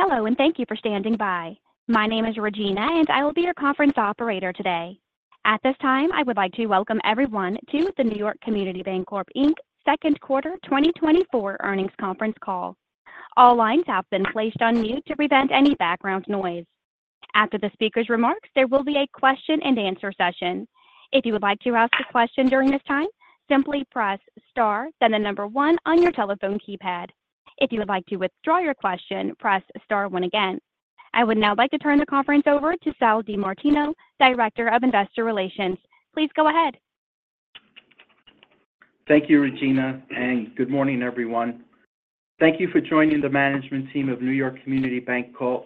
Hello, and thank you for standing by. My name is Regina, and I will be your conference operator today. At this time, I would like to welcome everyone to the New York Community Bancorp, Inc., second quarter 2024 earnings conference call. All lines have been placed on mute to prevent any background noise. After the speaker's remarks, there will be a question-and-answer session. If you would like to ask a question during this time, simply press Star, then the number one on your telephone keypad. If you would like to withdraw your question, press Star one again. I would now like to turn the conference over to Sal DiMartino, Director of Investor Relations. Please go ahead. Thank you, Regina, and good morning, everyone. Thank you for joining the management team of New York Community Bancorp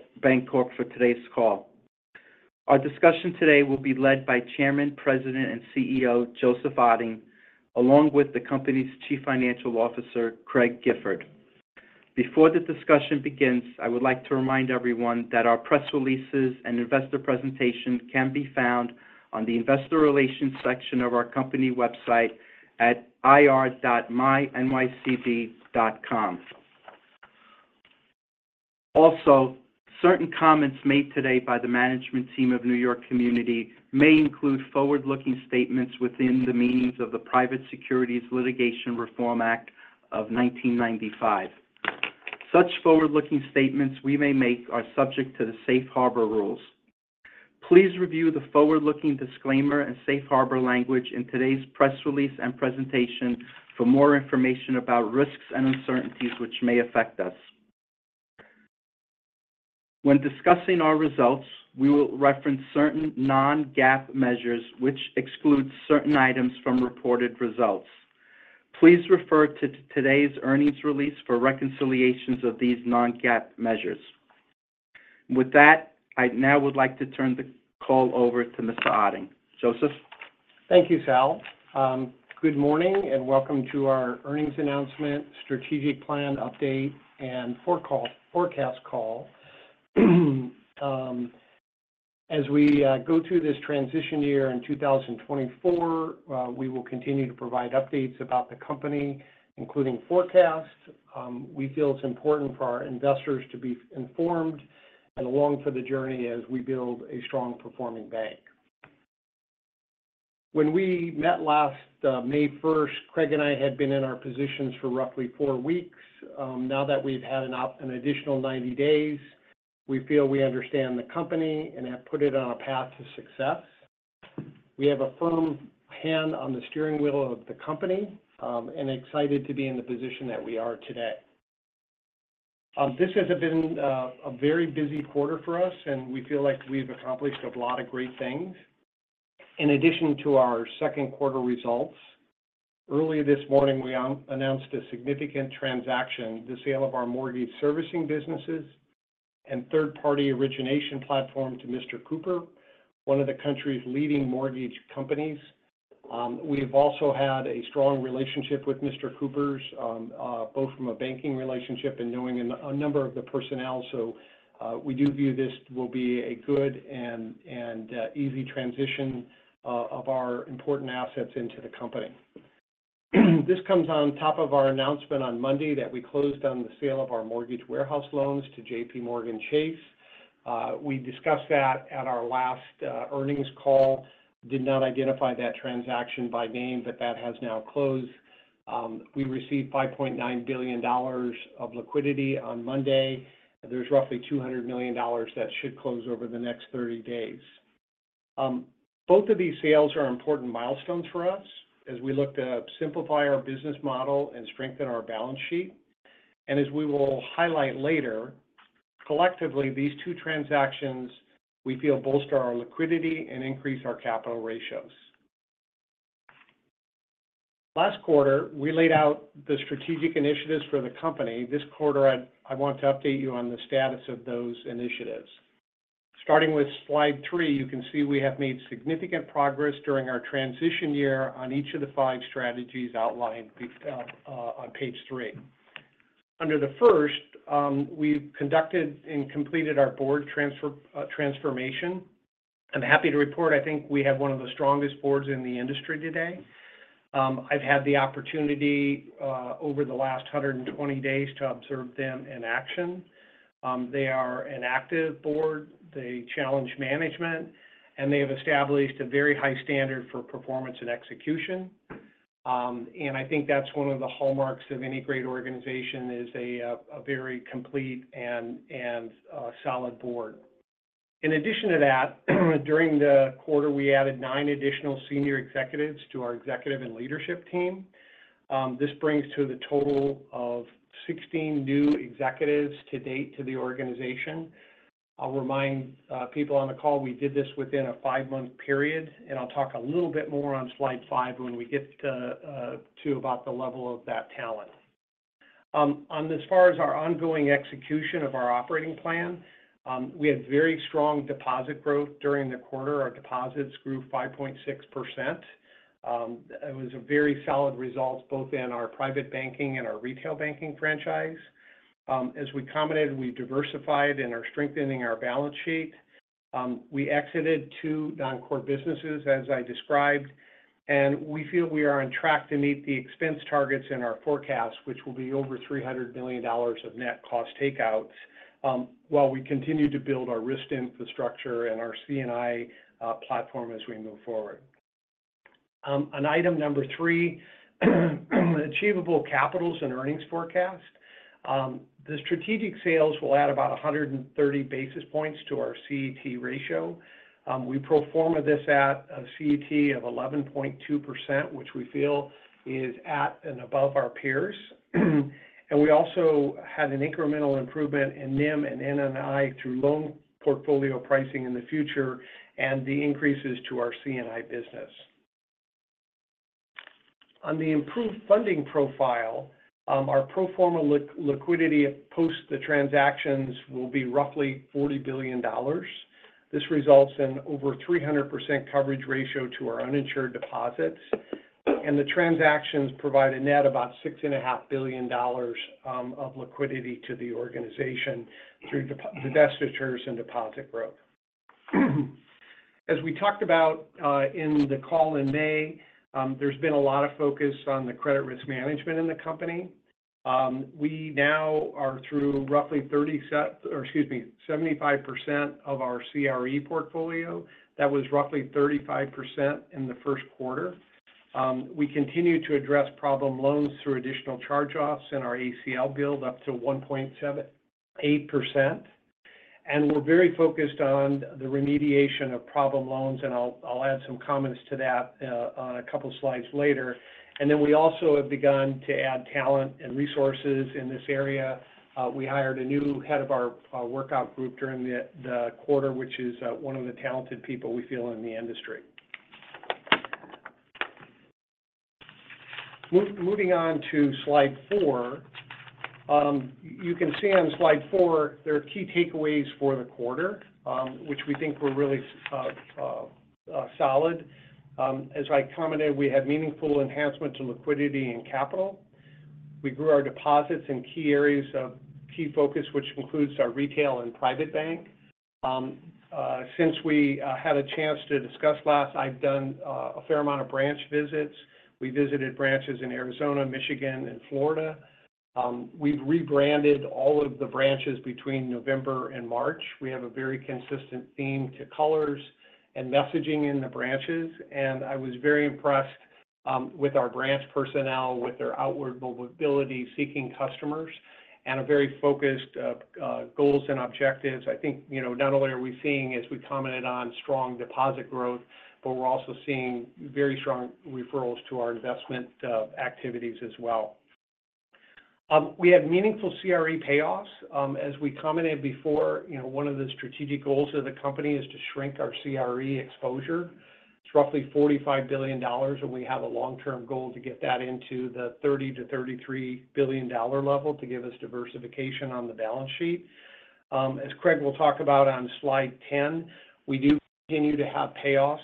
for today's call. Our discussion today will be led by Chairman, President, and CEO Joseph Otting, along with the company's Chief Financial Officer, Craig Gifford. Before the discussion begins, I would like to remind everyone that our press releases and investor presentations can be found on the Investor Relations section of our company website at ir.mynycb.com. Also, certain comments made today by the management team of New York Community may include forward-looking statements within the meanings of the Private Securities Litigation Reform Act of 1995. Such forward-looking statements we may make are subject to the safe harbor rules. Please review the forward-looking disclaimer and safe harbor language in today's press release and presentation for more information about risks and uncertainties which may affect us. When discussing our results, we will reference certain non-GAAP measures which exclude certain items from reported results. Please refer to today's earnings release for reconciliations of these non-GAAP measures. With that, I now would like to turn the call over to Mr. Otting. Joseph? Thank you, Sal. Good morning, and welcome to our earnings announcement, strategic plan update, and forecast call. As we go through this transition year in 2024, we will continue to provide updates about the company, including forecasts. We feel it's important for our investors to be informed and along for the journey as we build a strong performing bank. When we met last May 1st, Craig and I had been in our positions for roughly four weeks. Now that we've had an additional 90 days, we feel we understand the company and have put it on a path to success. We have a firm hand on the steering wheel of the company and are excited to be in the position that we are today. This has been a very busy quarter for us, and we feel like we've accomplished a lot of great things. In addition to our second quarter results, earlier this morning, we announced a significant transaction, the sale of our mortgage servicing businesses and third-party origination platform to Mr. Cooper, one of the country's leading mortgage companies. We have also had a strong relationship with Mr. Cooper, both from a banking relationship and knowing a number of the personnel, so we do view this will be a good and easy transition of our important assets into the company. This comes on top of our announcement on Monday that we closed on the sale of our mortgage warehouse loans to JPMorgan Chase. We discussed that at our last earnings call, did not identify that transaction by name, but that has now closed. We received $5.9 billion of liquidity on Monday, and there's roughly $200 million that should close over the next 30 days. Both of these sales are important milestones for us as we look to simplify our business model and strengthen our balance sheet. As we will highlight later, collectively, these two transactions we feel bolster our liquidity and increase our capital ratios. Last quarter, we laid out the strategic initiatives for the company. This quarter, I want to update you on the status of those initiatives. Starting with slide 3, you can see we have made significant progress during our transition year on each of the 5 strategies outlined on page 3. Under the first, we've conducted and completed our board transformation. I'm happy to report I think we have one of the strongest boards in the industry today. I've had the opportunity over the last 120 days to observe them in action. They are an active board. They challenge management, and they have established a very high standard for performance and execution. And I think that's one of the hallmarks of any great organization is a very complete and solid board. In addition to that, during the quarter, we added 9 additional senior executives to our executive and leadership team. This brings to the total of 16 new executives to date to the organization. I'll remind people on the call we did this within a 5-month period, and I'll talk a little bit more on slide 5 when we get to about the level of that talent. As far as our ongoing execution of our operating plan, we had very strong deposit growth during the quarter. Our deposits grew 5.6%. It was a very solid result both in our private banking and our retail banking franchise. As we commented, we diversified and are strengthening our balance sheet. We exited two non-core businesses, as I described, and we feel we are on track to meet the expense targets in our forecast, which will be over $300 million of net cost takeouts while we continue to build our risk infrastructure and our C&I platform as we move forward. On item number three, achievable capital and earnings forecast, the strategic sales will add about 130 basis points to our CET1 ratio. We pro forma this at a CET1 of 11.2%, which we feel is at and above our peers. We also had an incremental improvement in NIM and NII through loan portfolio pricing in the future and the increases to our C&I business. On the improved funding profile, our pro forma liquidity post the transactions will be roughly $40 billion. This results in over 300% coverage ratio to our uninsured deposits. The transactions provide a net about $6.5 billion of liquidity to the organization through divestitures and deposit growth. As we talked about in the call in May, there's been a lot of focus on the credit risk management in the company. We now are through roughly 30 or excuse me, 75% of our CRE portfolio. That was roughly 35% in the first quarter. We continue to address problem loans through additional charge-offs in our ACL build up to 1.78%. We're very focused on the remediation of problem loans, and I'll add some comments to that on a couple of slides later. We also have begun to add talent and resources in this area. We hired a new head of our workout group during the quarter, which is one of the talented people we feel in the industry. Moving on to slide 4, you can see on slide 4, there are key takeaways for the quarter, which we think were really solid. As I commented, we had meaningful enhancements in liquidity and capital. We grew our deposits in key areas of key focus, which includes our retail and Private Bank. Since we had a chance to discuss last, I've done a fair amount of branch visits. We visited branches in Arizona, Michigan, and Florida. We've rebranded all of the branches between November and March. We have a very consistent theme to colors and messaging in the branches. I was very impressed with our branch personnel, with their outward mobility, seeking customers, and a very focused goals and objectives. I think not only are we seeing, as we commented on, strong deposit growth, but we're also seeing very strong referrals to our investment activities as well. We have meaningful CRE payoffs. As we commented before, one of the strategic goals of the company is to shrink our CRE exposure. It's roughly $45 billion, and we have a long-term goal to get that into the $30 billion-$33 billion level to give us diversification on the balance sheet. As Craig will talk about on slide 10, we do continue to have payoffs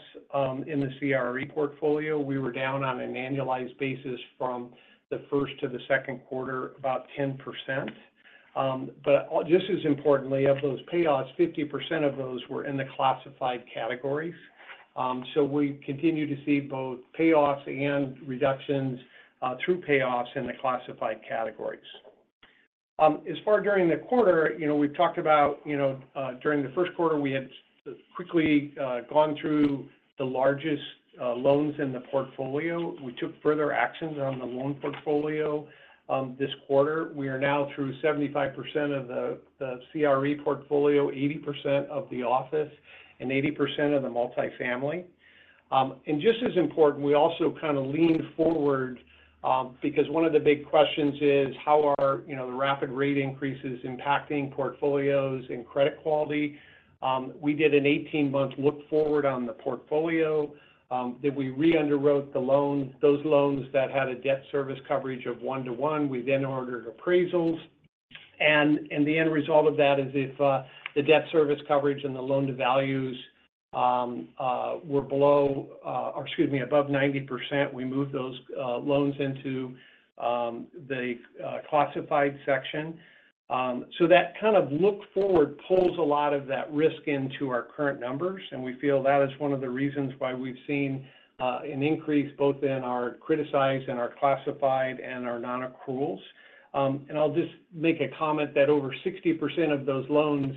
in the CRE portfolio. We were down on an annualized basis from the first to the second quarter about 10%. But just as importantly, of those payoffs, 50% of those were in the classified categories. So we continue to see both payoffs and reductions through payoffs in the classified categories. As far as during the quarter, we've talked about during the first quarter, we had quickly gone through the largest loans in the portfolio. We took further actions on the loan portfolio this quarter. We are now through 75% of the CRE portfolio, 80% of the office, and 80% of the multifamily. Just as important, we also kind of lean forward because one of the big questions is, how are the rapid rate increases impacting portfolios and credit quality? We did an 18-month look forward on the portfolio. We re-underwrote those loans that had a debt service coverage of 1:1. We then ordered appraisals. The end result of that is if the debt service coverage and the loan-to-values were below or excuse me, above 90%, we moved those loans into the classified section. That kind of look forward pulls a lot of that risk into our current numbers, and we feel that is one of the reasons why we've seen an increase both in our criticized and our classified and our non-accruals. I'll just make a comment that over 60% of those loans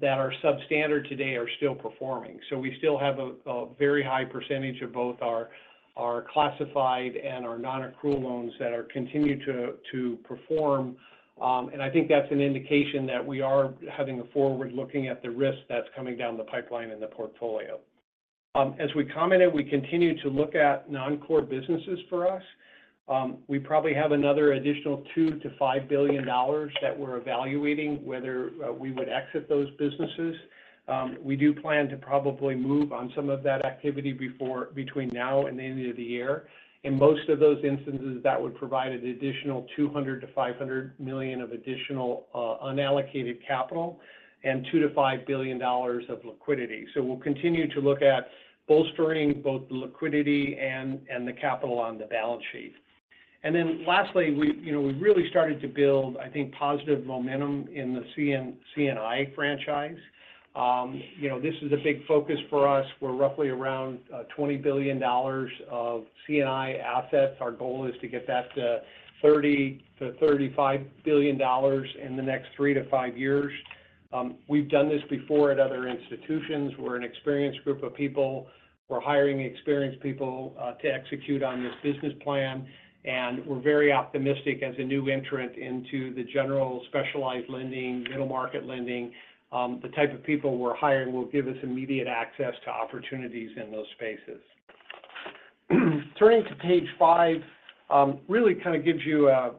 that are substandard today are still performing. We still have a very high percentage of both our classified and our non-accrual loans that continue to perform. I think that's an indication that we are having a forward looking at the risk that's coming down the pipeline in the portfolio. As we commented, we continue to look at non-core businesses for us. We probably have another additional $2 billion-$5 billion that we're evaluating whether we would exit those businesses. We do plan to probably move on some of that activity between now and the end of the year. In most of those instances, that would provide an additional $200 million-$500 million of additional unallocated capital and $2 billion-$5 billion of liquidity. So we'll continue to look at bolstering both the liquidity and the capital on the balance sheet. And then lastly, we really started to build, I think, positive momentum in the C&I franchise. This is a big focus for us. We're roughly around $20 billion of C&I assets. Our goal is to get that to $30 billion-$35 billion in the next three to five years. We've done this before at other institutions. We're an experienced group of people. We're hiring experienced people to execute on this business plan. And we're very optimistic as a new entrant into the general specialized lending, middle market lending. The type of people we're hiring will give us immediate access to opportunities in those spaces. Turning to page five, really kind of gives you a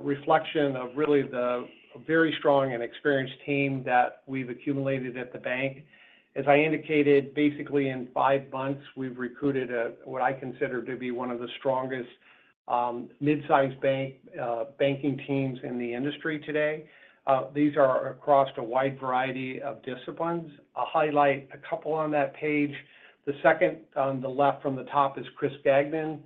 reflection of really the very strong and experienced team that we've accumulated at the bank. As I indicated, basically in 5 months, we've recruited what I consider to be one of the strongest mid-sized banking teams in the industry today. These are across a wide variety of disciplines. I'll highlight a couple on that page. The second on the left from the top is Kris Gagnon.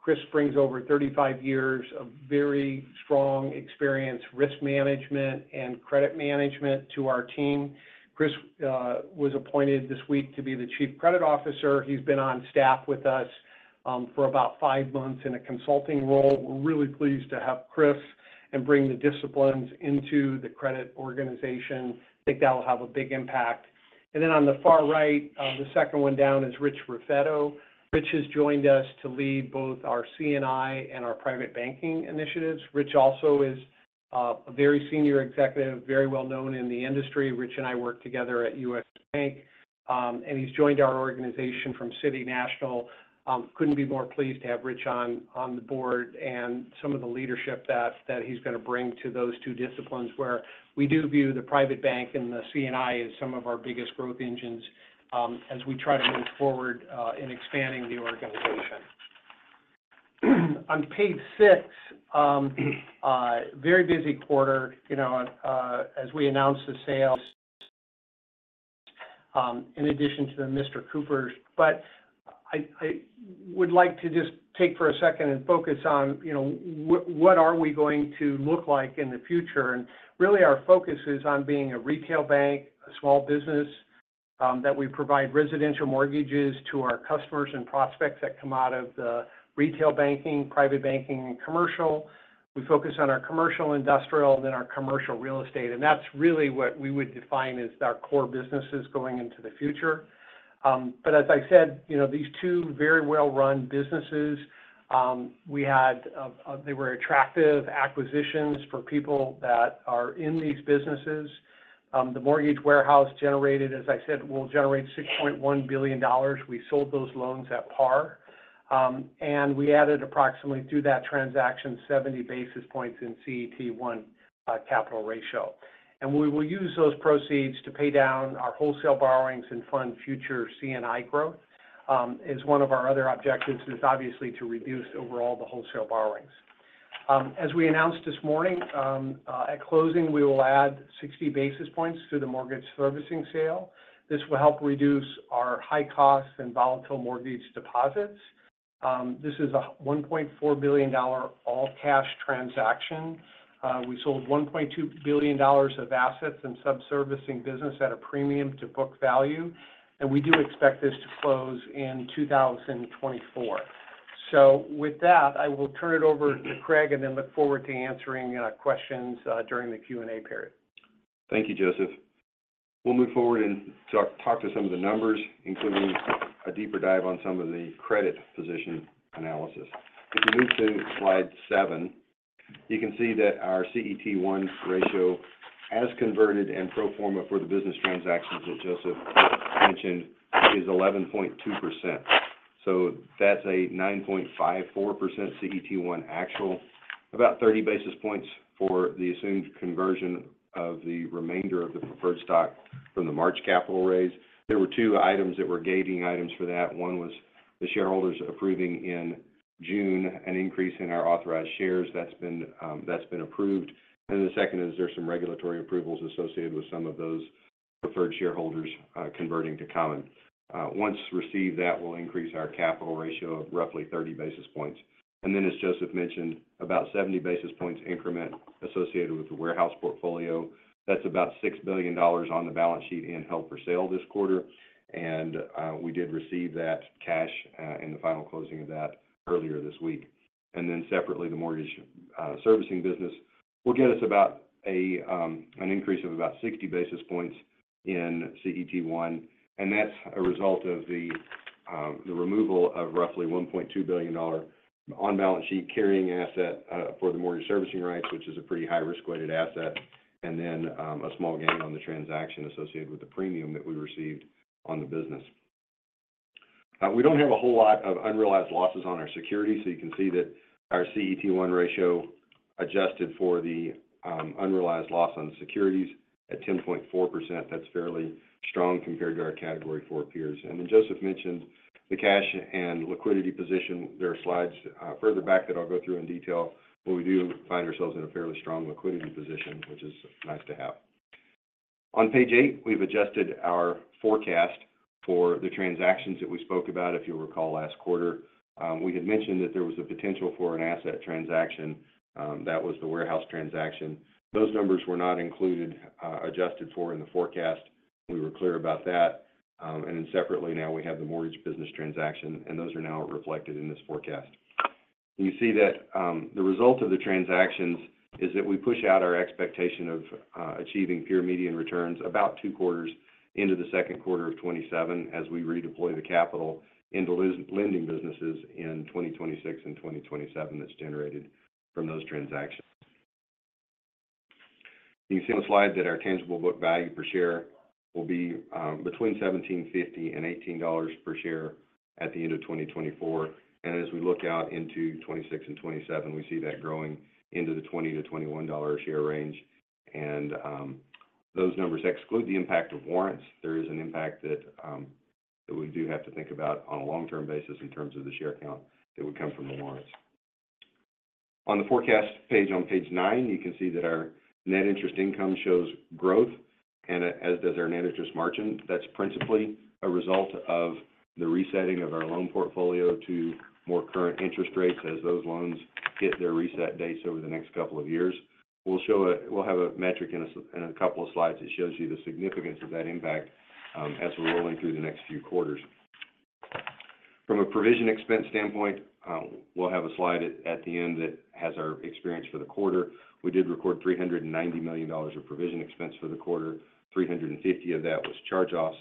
Kris brings over 35 years of very strong experience in risk management and credit management to our team. Kris was appointed this week to be the Chief Credit Officer. He's been on staff with us for about 5 months in a consulting role. We're really pleased to have Kris and bring the disciplines into the credit organization. I think that will have a big impact. And then on the far right, the second one down is Rich Raffetto. Rich has joined us to lead both our C&I and our private banking initiatives. Rich also is a very senior executive, very well known in the industry. Rich and I work together at U.S. Bank, and he's joined our organization from City National. Couldn't be more pleased to have Rich on the board and some of the leadership that he's going to bring to those two disciplines where we do view the Private Bank and the C&I as some of our biggest growth engines as we try to move forward in expanding the organization. On page six, very busy quarter. As we announced the sales, in addition to Mr. Cooper's. But I would like to just take for a second and focus on what are we going to look like in the future. Really, our focus is on being a retail bank, a small business that we provide residential mortgages to our customers and prospects that come out of the retail banking, private banking, and commercial. We focus on our commercial, industrial, and then our commercial real estate. And that's really what we would define as our core businesses going into the future. But as I said, these two very well-run businesses, they were attractive acquisitions for people that are in these businesses. The mortgage warehouse generated, as I said, will generate $6.1 billion. We sold those loans at par. And we added approximately through that transaction 70 basis points in CET1 capital ratio. And we will use those proceeds to pay down our wholesale borrowings and fund future C&I growth. One of our other objectives is obviously to reduce overall the wholesale borrowings. As we announced this morning, at closing, we will add 60 basis points to the mortgage servicing sale. This will help reduce our high costs and volatile mortgage deposits. This is a $1.4 billion all cash transaction. We sold $1.2 billion of assets and subservicing business at a premium to book value. We do expect this to close in 2024. With that, I will turn it over to Craig and then look forward to answering questions during the Q&A period. Thank you, Joseph. We'll move forward and talk to some of the numbers, including a deeper dive on some of the credit position analysis. If you move to slide seven, you can see that our CET1 ratio as converted and pro forma for the business transactions that Joseph mentioned is 11.2%. So that's a 9.54% CET1 actual, about 30 basis points for the assumed conversion of the remainder of the preferred stock from the March capital raise. There were two items that were gating items for that. One was the shareholders approving in June an increase in our authorized shares that's been approved. And the second is there's some regulatory approvals associated with some of those preferred shareholders converting to common. Once received that, we'll increase our capital ratio of roughly 30 basis points. And then, as Joseph mentioned, about 70 basis points increment associated with the warehouse portfolio. That's about $6 billion on the balance sheet held for sale this quarter. And we did receive that cash in the final closing of that earlier this week. And then separately, the mortgage servicing business will get us about an increase of about 60 basis points in CET1. That's a result of the removal of roughly $1.2 billion on balance sheet carrying asset for the mortgage servicing rights, which is a pretty high risk-weighted asset, and then a small gain on the transaction associated with the premium that we received on the business. We don't have a whole lot of unrealized losses on our securities. So you can see that our CET1 ratio adjusted for the unrealized loss on securities at 10.4%. That's fairly strong compared to our Category IV peers. Then Joseph mentioned the cash and liquidity position. There are slides further back that I'll go through in detail, but we do find ourselves in a fairly strong liquidity position, which is nice to have. On page eight, we've adjusted our forecast for the transactions that we spoke about. If you'll recall last quarter, we had mentioned that there was a potential for an asset transaction. That was the warehouse transaction. Those numbers were not included adjusted for in the forecast. We were clear about that. And then separately, now we have the mortgage business transaction, and those are now reflected in this forecast. You see that the result of the transactions is that we push out our expectation of achieving peer median returns about two quarters into the second quarter of 2027 as we redeploy the capital into lending businesses in 2026 and 2027 that's generated from those transactions. You can see on the slide that our tangible book value per share will be between $17.50 and $18 per share at the end of 2024. And as we look out into 2026 and 2027, we see that growing into the $20-$21 a share range. Those numbers exclude the impact of warrants. There is an impact that we do have to think about on a long-term basis in terms of the share count that would come from the warrants. On the forecast page on page 9, you can see that our net interest income shows growth, and as does our net interest margin. That's principally a result of the resetting of our loan portfolio to more current interest rates as those loans hit their reset dates over the next couple of years. We'll have a metric in a couple of slides that shows you the significance of that impact as we're rolling through the next few quarters. From a provision expense standpoint, we'll have a slide at the end that has our experience for the quarter. We did record $390 million of provision expense for the quarter. $350 million of that was charge-offs.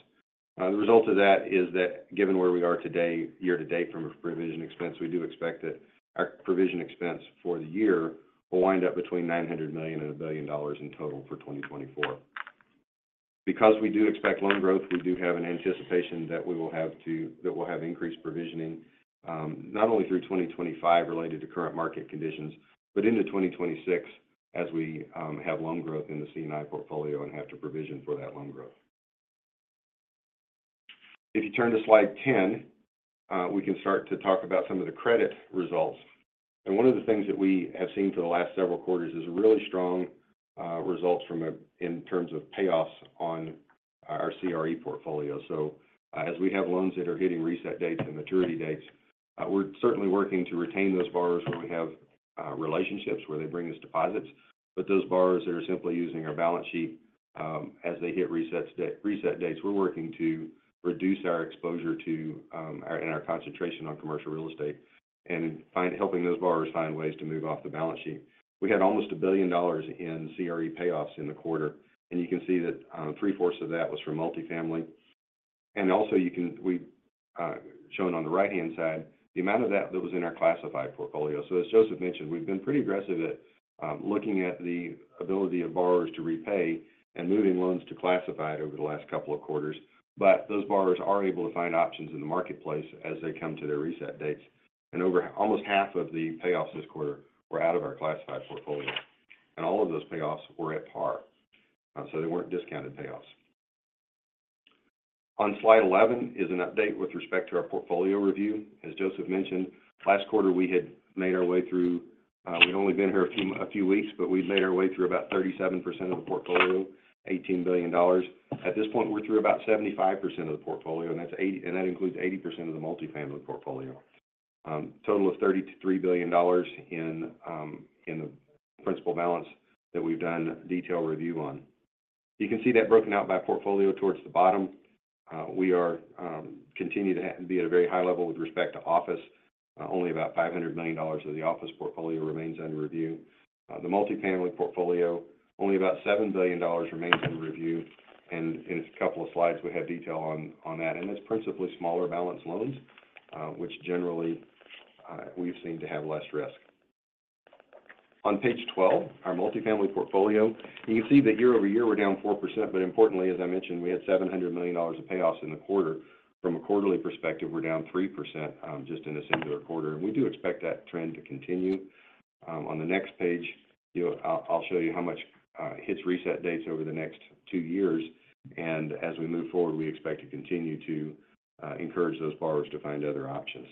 The result of that is that given where we are today, year to date from a provision expense, we do expect that our provision expense for the year will wind up between $900 million and $1 billion in total for 2024. Because we do expect loan growth, we do have an anticipation that we will have to that we'll have increased provisioning not only through 2025 related to current market conditions, but into 2026 as we have loan growth in the C&I portfolio and have to provision for that loan growth. If you turn to slide 10, we can start to talk about some of the credit results. One of the things that we have seen for the last several quarters is really strong results in terms of payoffs on our CRE portfolio. So as we have loans that are hitting reset dates and maturity dates, we're certainly working to retain those borrowers where we have relationships where they bring us deposits. But those borrowers that are simply using our balance sheet as they hit reset dates, we're working to reduce our exposure to and our concentration on commercial real estate and helping those borrowers find ways to move off the balance sheet. We had almost $1 billion in CRE payoffs in the quarter. And you can see that three-fourths of that was for multifamily. And also shown on the right-hand side, the amount of that that was in our classified portfolio. So as Joseph mentioned, we've been pretty aggressive at looking at the ability of borrowers to repay and moving loans to classified over the last couple of quarters. But those borrowers are able to find options in the marketplace as they come to their reset dates. Almost half of the payoffs this quarter were out of our classified portfolio. All of those payoffs were at par. They weren't discounted payoffs. On slide 11 is an update with respect to our portfolio review. As Joseph mentioned, last quarter we had made our way through. We'd only been here a few weeks, but we'd made our way through about 37% of the portfolio, $18 billion. At this point, we're through about 75% of the portfolio, and that includes 80% of the multifamily portfolio. Total of $33 billion in the principal balance that we've done detailed review on. You can see that broken out by portfolio towards the bottom. We continue to be at a very high level with respect to office. Only about $500 million of the office portfolio remains under review. The multifamily portfolio, only about $7 billion, remains under review. In a couple of slides, we have detail on that. That's principally smaller balance loans, which generally we've seen to have less risk. On page 12, our multifamily portfolio, you can see that year-over-year we're down 4%. But importantly, as I mentioned, we had $700 million of payoffs in the quarter. From a quarterly perspective, we're down 3% just in a singular quarter. We do expect that trend to continue. On the next page, I'll show you how much hits reset dates over the next two years. As we move forward, we expect to continue to encourage those borrowers to find other options.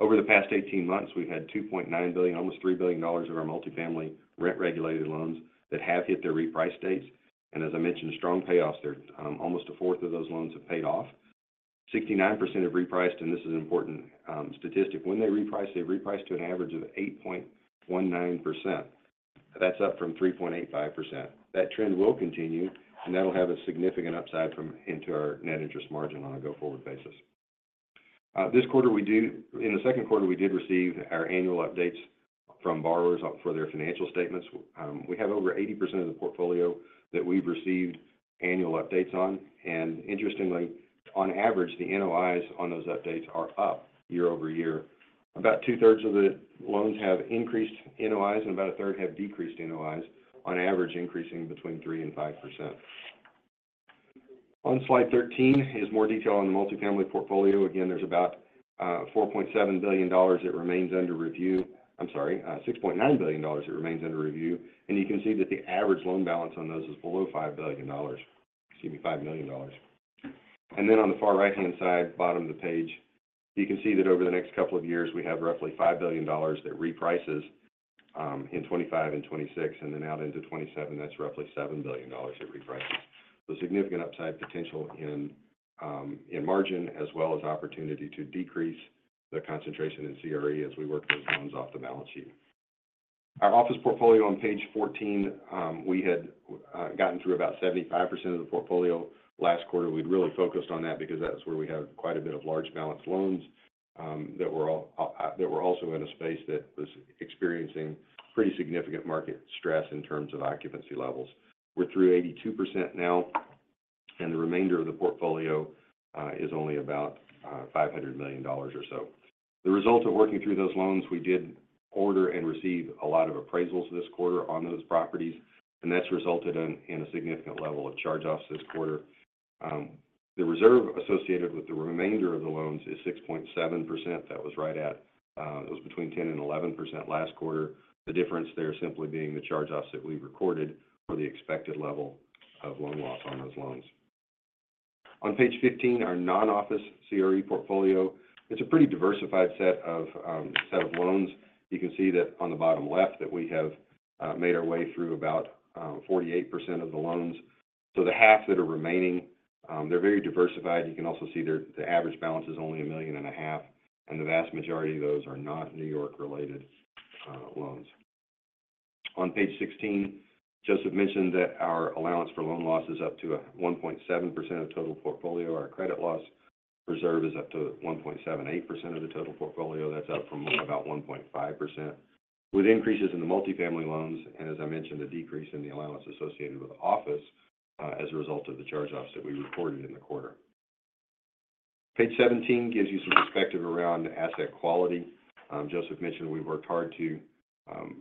Over the past 18 months, we've had $2.9 billion, almost $3 billion of our multifamily rent-regulated loans that have hit their reprice dates. As I mentioned, strong payoffs there. Almost a fourth of those loans have paid off. 69% have repriced, and this is an important statistic. When they reprice, they've repriced to an average of 8.19%. That's up from 3.85%. That trend will continue, and that'll have a significant upside into our net interest margin on a go-forward basis. This quarter, in the second quarter, we did receive our annual updates from borrowers for their financial statements. We have over 80% of the portfolio that we've received annual updates on. Interestingly, on average, the NOIs on those updates are up year-over-year. About two-thirds of the loans have increased NOIs and about a third have decreased NOIs, on average increasing between 3 and 5%. On slide 13 is more detail on the multifamily portfolio. Again, there's about $4.7 billion that remains under review. I'm sorry, $6.9 billion that remains under review. You can see that the average loan balance on those is below $5 billion. Excuse me, $5 million. And then on the far right-hand side, bottom of the page, you can see that over the next couple of years, we have roughly $5 billion that reprices in 2025 and 2026, and then out into 2027, that's roughly $7 billion that reprices. Significant upside potential in margin as well as opportunity to decrease the concentration in CRE as we work those loans off the balance sheet. Our office portfolio on page 14, we had gotten through about 75% of the portfolio last quarter. We'd really focused on that because that's where we have quite a bit of large balance loans that were also in a space that was experiencing pretty significant market stress in terms of occupancy levels. We're through 82% now, and the remainder of the portfolio is only about $500 million or so. The result of working through those loans, we did order and receive a lot of appraisals this quarter on those properties, and that's resulted in a significant level of charge-offs this quarter. The reserve associated with the remainder of the loans is 6.7%. That was right at it was between 10% and 11% last quarter. The difference there simply being the charge-offs that we recorded for the expected level of loan loss on those loans. On page 15, our non-office CRE portfolio, it's a pretty diversified set of loans. You can see that on the bottom left that we have made our way through about 48% of the loans. So the half that are remaining, they're very diversified. You can also see the average balance is only $1.5 million, and the vast majority of those are not New York-related loans. On page 16, Joseph mentioned that our allowance for loan loss is up to 1.7% of total portfolio. Our credit loss reserve is up to 1.78% of the total portfolio. That's up from about 1.5% with increases in the multifamily loans and, as I mentioned, a decrease in the allowance associated with office as a result of the charge-offs that we recorded in the quarter. Page 17 gives you some perspective around asset quality. Joseph mentioned we worked hard to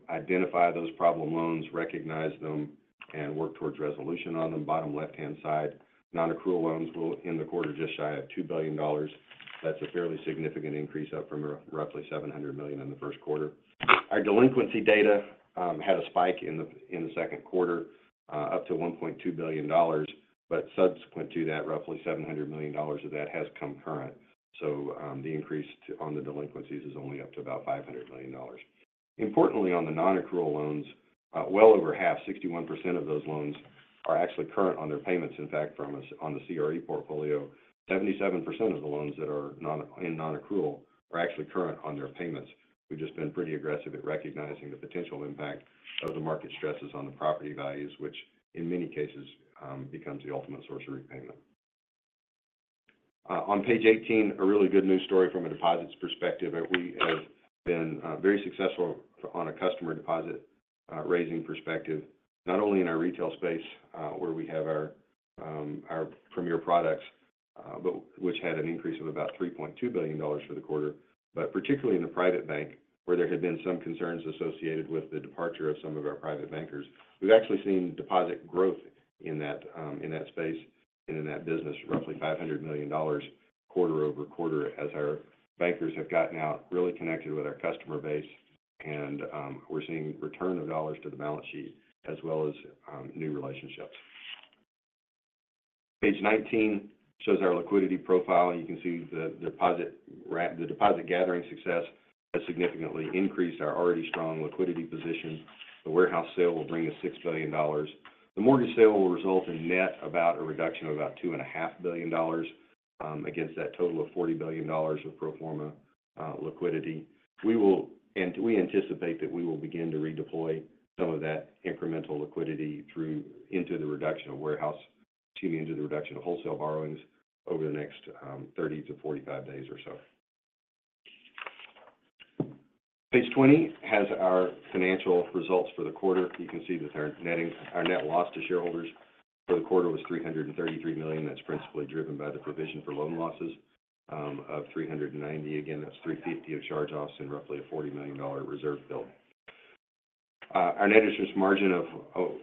identify those problem loans, recognize them, and work towards resolution on them. Bottom left-hand side, non-accrual loans will in the quarter just shy of $2 billion. That's a fairly significant increase up from roughly $700 million in the first quarter. Our delinquency data had a spike in the second quarter up to $1.2 billion, but subsequent to that, roughly $700 million of that has come current. So the increase on the delinquencies is only up to about $500 million. Importantly, on the non-accrual loans, well over half, 61% of those loans are actually current on their payments. In fact, from us on the CRE portfolio, 77% of the loans that are in non-accrual are actually current on their payments. We've just been pretty aggressive at recognizing the potential impact of the market stresses on the property values, which in many cases becomes the ultimate source of repayment. On page 18, a really good news story from a deposits perspective. We have been very successful on a customer deposit raising perspective, not only in our retail space where we have our premier products, which had an increase of about $3.2 billion for the quarter, but particularly in the Private Bank where there had been some concerns associated with the departure of some of our private bankers. We've actually seen deposit growth in that space and in that business, roughly $500 million quarter-over-quarter as our bankers have gotten out, really connected with our customer base, and we're seeing return of dollars to the balance sheet as well as new relationships. Page 19 shows our liquidity profile. You can see the deposit gathering success has significantly increased our already strong liquidity position. The warehouse sale will bring us $6 billion. The mortgage sale will result in net about a reduction of about $2.5 billion against that total of $40 billion of pro forma liquidity. We anticipate that we will begin to redeploy some of that incremental liquidity into the reduction of warehouse, excuse me, into the reduction of wholesale borrowings over the next 30 to 45 days or so. Page 20 has our financial results for the quarter. You can see that our net loss to shareholders for the quarter was $333 million. That's principally driven by the provision for loan losses of $390. Again, that's $350 of charge-offs and roughly a $40 million reserve bill. Our net interest margin of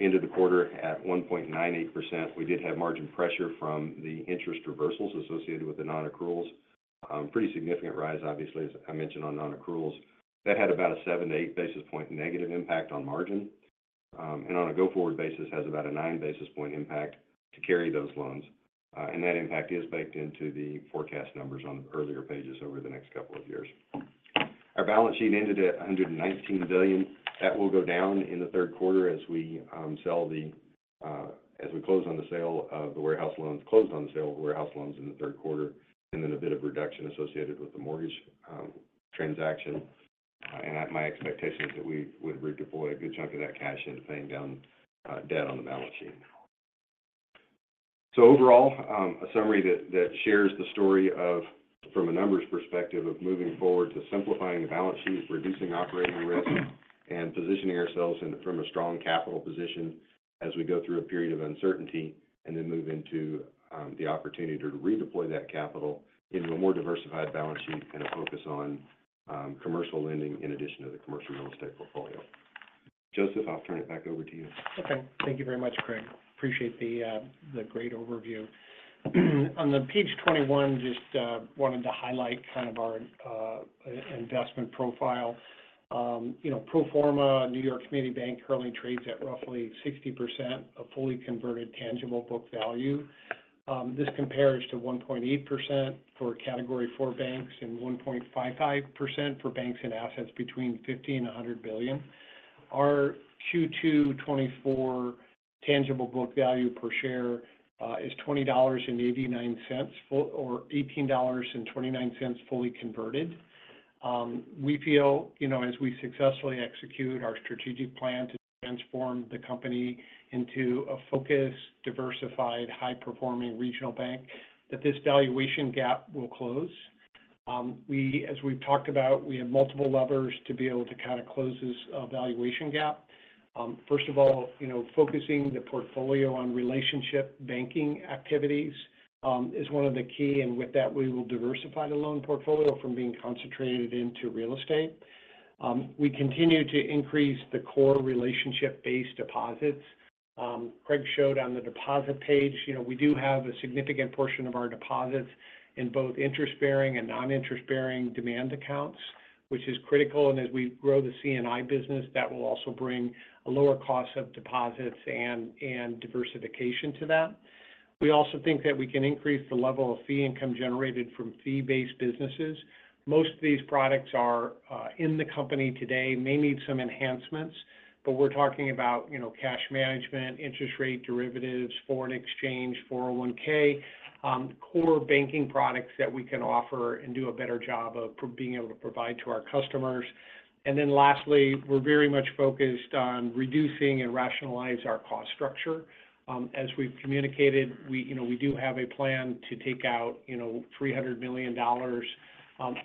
end of the quarter at 1.98%. We did have margin pressure from the interest reversals associated with the non-accruals. Pretty significant rise, obviously, as I mentioned on non-accruals. That had about a 7-8 basis point negative impact on margin. And on a go-forward basis, has about a 9 basis point impact to carry those loans. And that impact is baked into the forecast numbers on the earlier pages over the next couple of years. Our balance sheet ended at $119 billion. That will go down in the third quarter as we close on the sale of the warehouse loans, closed on the sale of warehouse loans in the third quarter, and then a bit of reduction associated with the mortgage transaction. And my expectation is that we would redeploy a good chunk of that cash into paying down debt on the balance sheet. So overall, a summary that shares the story of, from a numbers perspective, of moving forward to simplifying the balance sheet, reducing operating risk, and positioning ourselves from a strong capital position as we go through a period of uncertainty and then move into the opportunity to redeploy that capital into a more diversified balance sheet and a focus on commercial lending in addition to the commercial real estate portfolio. Joseph, I'll turn it back over to you. Okay. Thank you very much, Craig. Appreciate the great overview. On page 21, just wanted to highlight kind of our investment profile. Pro forma, New York Community Bank currently trades at roughly 60% of fully converted tangible book value. This compares to 1.8% for Category IV banks and 1.55% for banks with assets between $50 billion and $100 billion. Our Q2 2024 tangible book value per share is $20.89 or $18.29 fully converted. We feel as we successfully execute our strategic plan to transform the company into a focused, diversified, high-performing regional bank, that this valuation gap will close. As we've talked about, we have multiple levers to be able to kind of close this valuation gap. First of all, focusing the portfolio on relationship banking activities is one of the key. And with that, we will diversify the loan portfolio from being concentrated into real estate. We continue to increase the core relationship-based deposits. Craig showed on the deposit page. We do have a significant portion of our deposits in both interest-bearing and non-interest-bearing demand accounts, which is critical. As we grow the C&I business, that will also bring a lower cost of deposits and diversification to that. We also think that we can increase the level of fee income generated from fee-based businesses. Most of these products are in the company today, may need some enhancements, but we're talking about cash management, interest rate derivatives, foreign exchange, 401(k), core banking products that we can offer and do a better job of being able to provide to our customers. Lastly, we're very much focused on reducing and rationalizing our cost structure. As we've communicated, we do have a plan to take out $300 million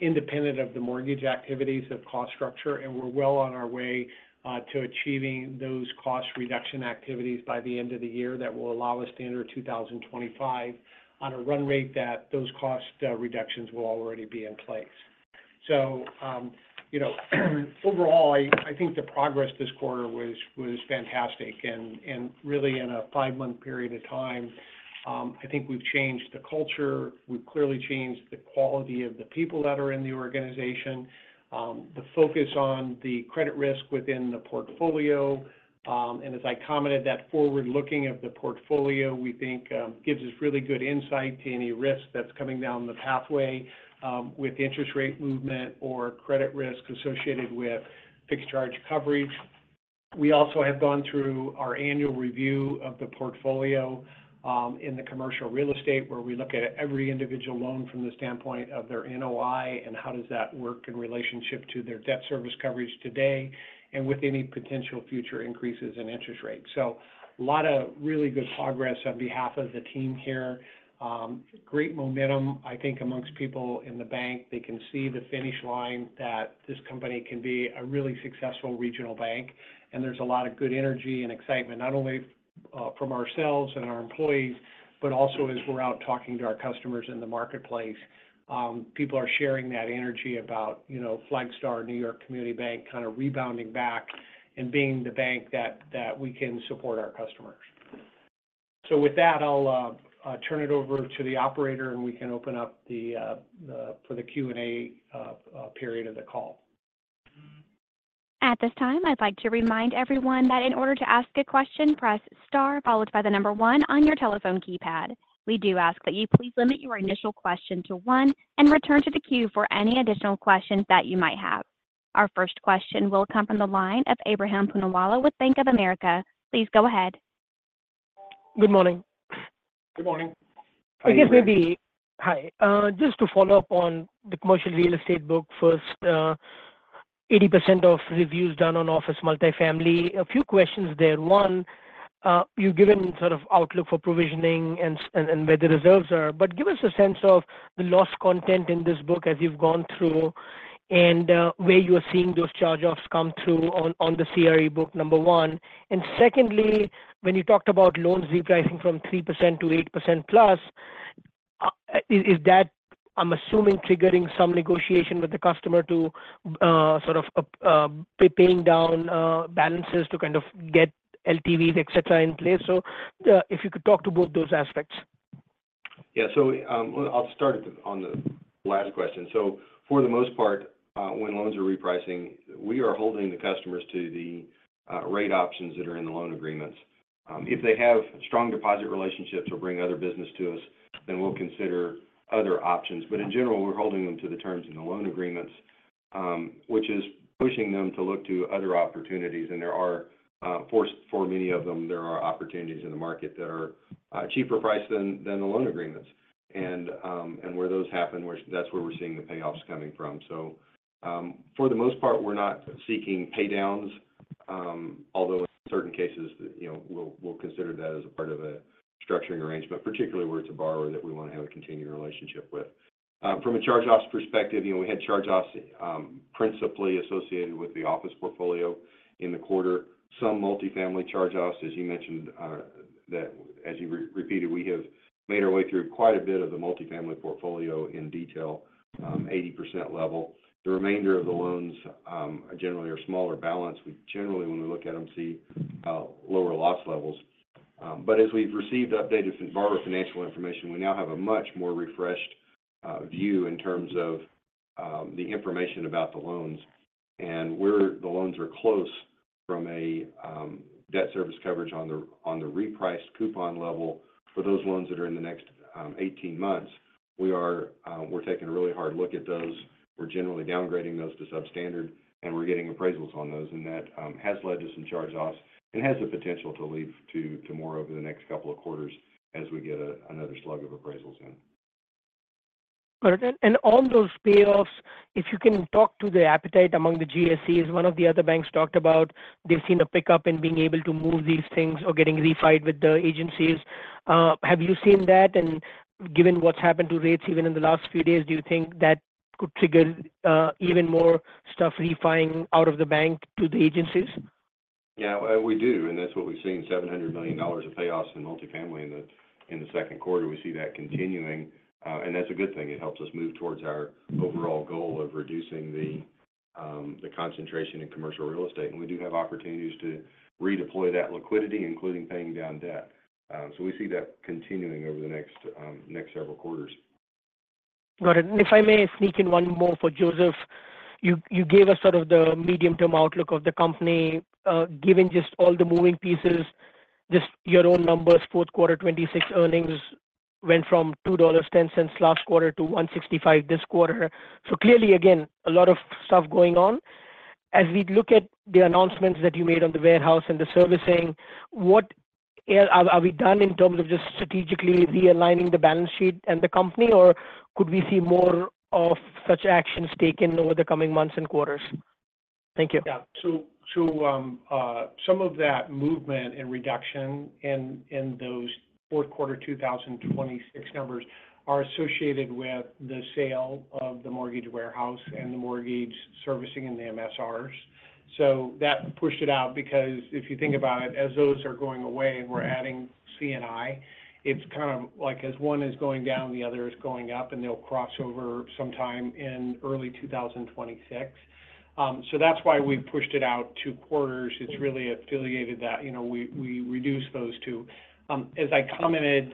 independent of the mortgage activities of cost structure. We're well on our way to achieving those cost reduction activities by the end of the year that will allow us to enter 2025 on a run rate that those cost reductions will already be in place. Overall, I think the progress this quarter was fantastic. Really, in a five-month period of time, I think we've changed the culture. We've clearly changed the quality of the people that are in the organization, the focus on the credit risk within the portfolio. And as I commented, that forward-looking of the portfolio, we think gives us really good insight to any risk that's coming down the pathway with interest rate movement or credit risk associated with fixed charge coverage. We also have gone through our annual review of the portfolio in the commercial real estate, where we look at every individual loan from the standpoint of their NOI and how does that work in relationship to their debt service coverage today and with any potential future increases in interest rates. So a lot of really good progress on behalf of the team here. Great momentum, I think, amongst people in the bank. They can see the finish line that this company can be a really successful regional bank. And there's a lot of good energy and excitement, not only from ourselves and our employees, but also as we're out talking to our customers in the marketplace. People are sharing that energy about Flagstar New York Community Bank kind of rebounding back and being the bank that we can support our customers. With that, I'll turn it over to the operator, and we can open up for the Q&A period of the call. At this time, I'd like to remind everyone that in order to ask a question, press star followed by the number one on your telephone keypad. We do ask that you please limit your initial question to one and return to the queue for any additional questions that you might have. Our first question will come from the line of Ebrahim Poonawala with Bank of America. Please go ahead. Good morning. Good morning. I guess maybe hi. Just to follow up on the commercial real estate book first, 80% of reviews done on office multifamily. A few questions there. One, you've given sort of outlook for provisioning and where the reserves are, but give us a sense of the lost content in this book as you've gone through and where you are seeing those charge-offs come through on the CRE book, number one. And secondly, when you talked about loans repricing from 3%-8%+, is that, I'm assuming, triggering some negotiation with the customer to sort of paying down balances to kind of get LTVs, etc., in place? So if you could talk to both those aspects. Yeah. So I'll start on the last question. So for the most part, when loans are repricing, we are holding the customers to the rate options that are in the loan agreements. If they have strong deposit relationships or bring other business to us, then we'll consider other options. But in general, we're holding them to the terms in the loan agreements, which is pushing them to look to other opportunities. And for many of them, there are opportunities in the market that are cheaper priced than the loan agreements. And where those happen, that's where we're seeing the payoffs coming from. So for the most part, we're not seeking paydowns, although in certain cases, we'll consider that as a part of a structuring arrangement, particularly where it's a borrower that we want to have a continued relationship with. From a charge-offs perspective, we had charge-offs principally associated with the office portfolio in the quarter, some multifamily charge-offs, as you mentioned that as you repeated, we have made our way through quite a bit of the multifamily portfolio in detail, 80% level. The remainder of the loans generally are smaller balance. We generally, when we look at them, see lower loss levels. But as we've received updated borrower financial information, we now have a much more refreshed view in terms of the information about the loans. And where the loans are close from a debt service coverage on the repriced coupon level for those loans that are in the next 18 months, we're taking a really hard look at those. We're generally downgrading those to substandard, and we're getting appraisals on those. That has led to some charge-offs and has the potential to lead to more over the next couple of quarters as we get another slug of appraisals in. Got it. And on those payoffs, if you can talk to the appetite among the GSEs, one of the other banks talked about they've seen a pickup in being able to move these things or getting refinanced with the agencies. Have you seen that? And given what's happened to rates even in the last few days, do you think that could trigger even more stuff refinancing out of the bank to the agencies? Yeah. We do. And that's what we've seen, $700 million of payoffs in multifamily in the second quarter. We see that continuing. And that's a good thing. It helps us move towards our overall goal of reducing the concentration in commercial real estate. And we do have opportunities to redeploy that liquidity, including paying down debt. So we see that continuing over the next several quarters. Got it. If I may sneak in one more for Joseph, you gave us sort of the medium-term outlook of the company. Given just all the moving pieces, just your own numbers, fourth quarter 2026 earnings went from $2.10 last quarter to $165 this quarter. So clearly, again, a lot of stuff going on. As we look at the announcements that you made on the warehouse and the servicing, are we done in terms of just strategically realigning the balance sheet and the company, or could we see more of such actions taken over the coming months and quarters? Thank you. Yeah. So some of that movement and reduction in those fourth quarter 2026 numbers are associated with the sale of the mortgage warehouse and the mortgage servicing and the MSRs. So that pushed it out because if you think about it, as those are going away and we're adding C&I, it's kind of like as one is going down, the other is going up, and they'll crossover sometime in early 2026. So that's why we've pushed it out two quarters. It's really beneficial that we reduce those two. As I commented,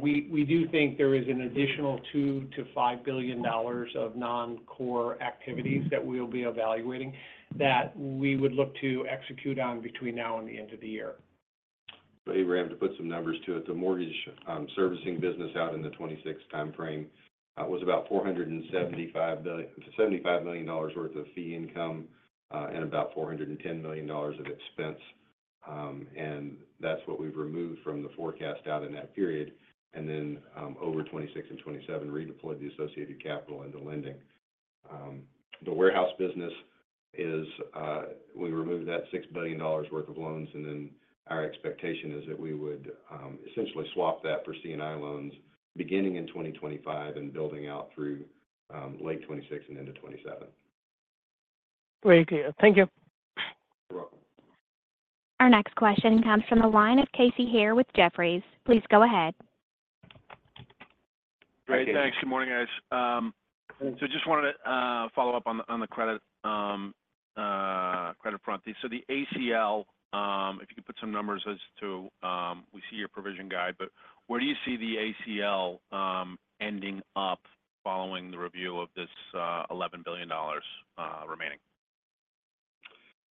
we do think there is an additional $2 billion-$5 billion of non-core activities that we'll be evaluating that we would look to execute on between now and the end of the year. Ebrahim, to put some numbers to it, the mortgage servicing business out in the 2026 timeframe was about $475 million worth of fee income and about $410 million of expense. That's what we've removed from the forecast out in that period. Then over 2026 and 2027, redeployed the associated capital into lending. The warehouse business is we removed that $6 billion worth of loans. Then our expectation is that we would essentially swap that for C&I loans beginning in 2025 and building out through late 2026 and into 2027. Thank you. Thank you. You're welcome. Our next question comes from the line of Casey Haire with Jefferies. Please go ahead. Great. Thanks. Good morning, guys. So just wanted to follow up on the credit front. So the ACL, if you could put some numbers as to we see your provision guide, but where do you see the ACL ending up following the review of this $11 billion remaining?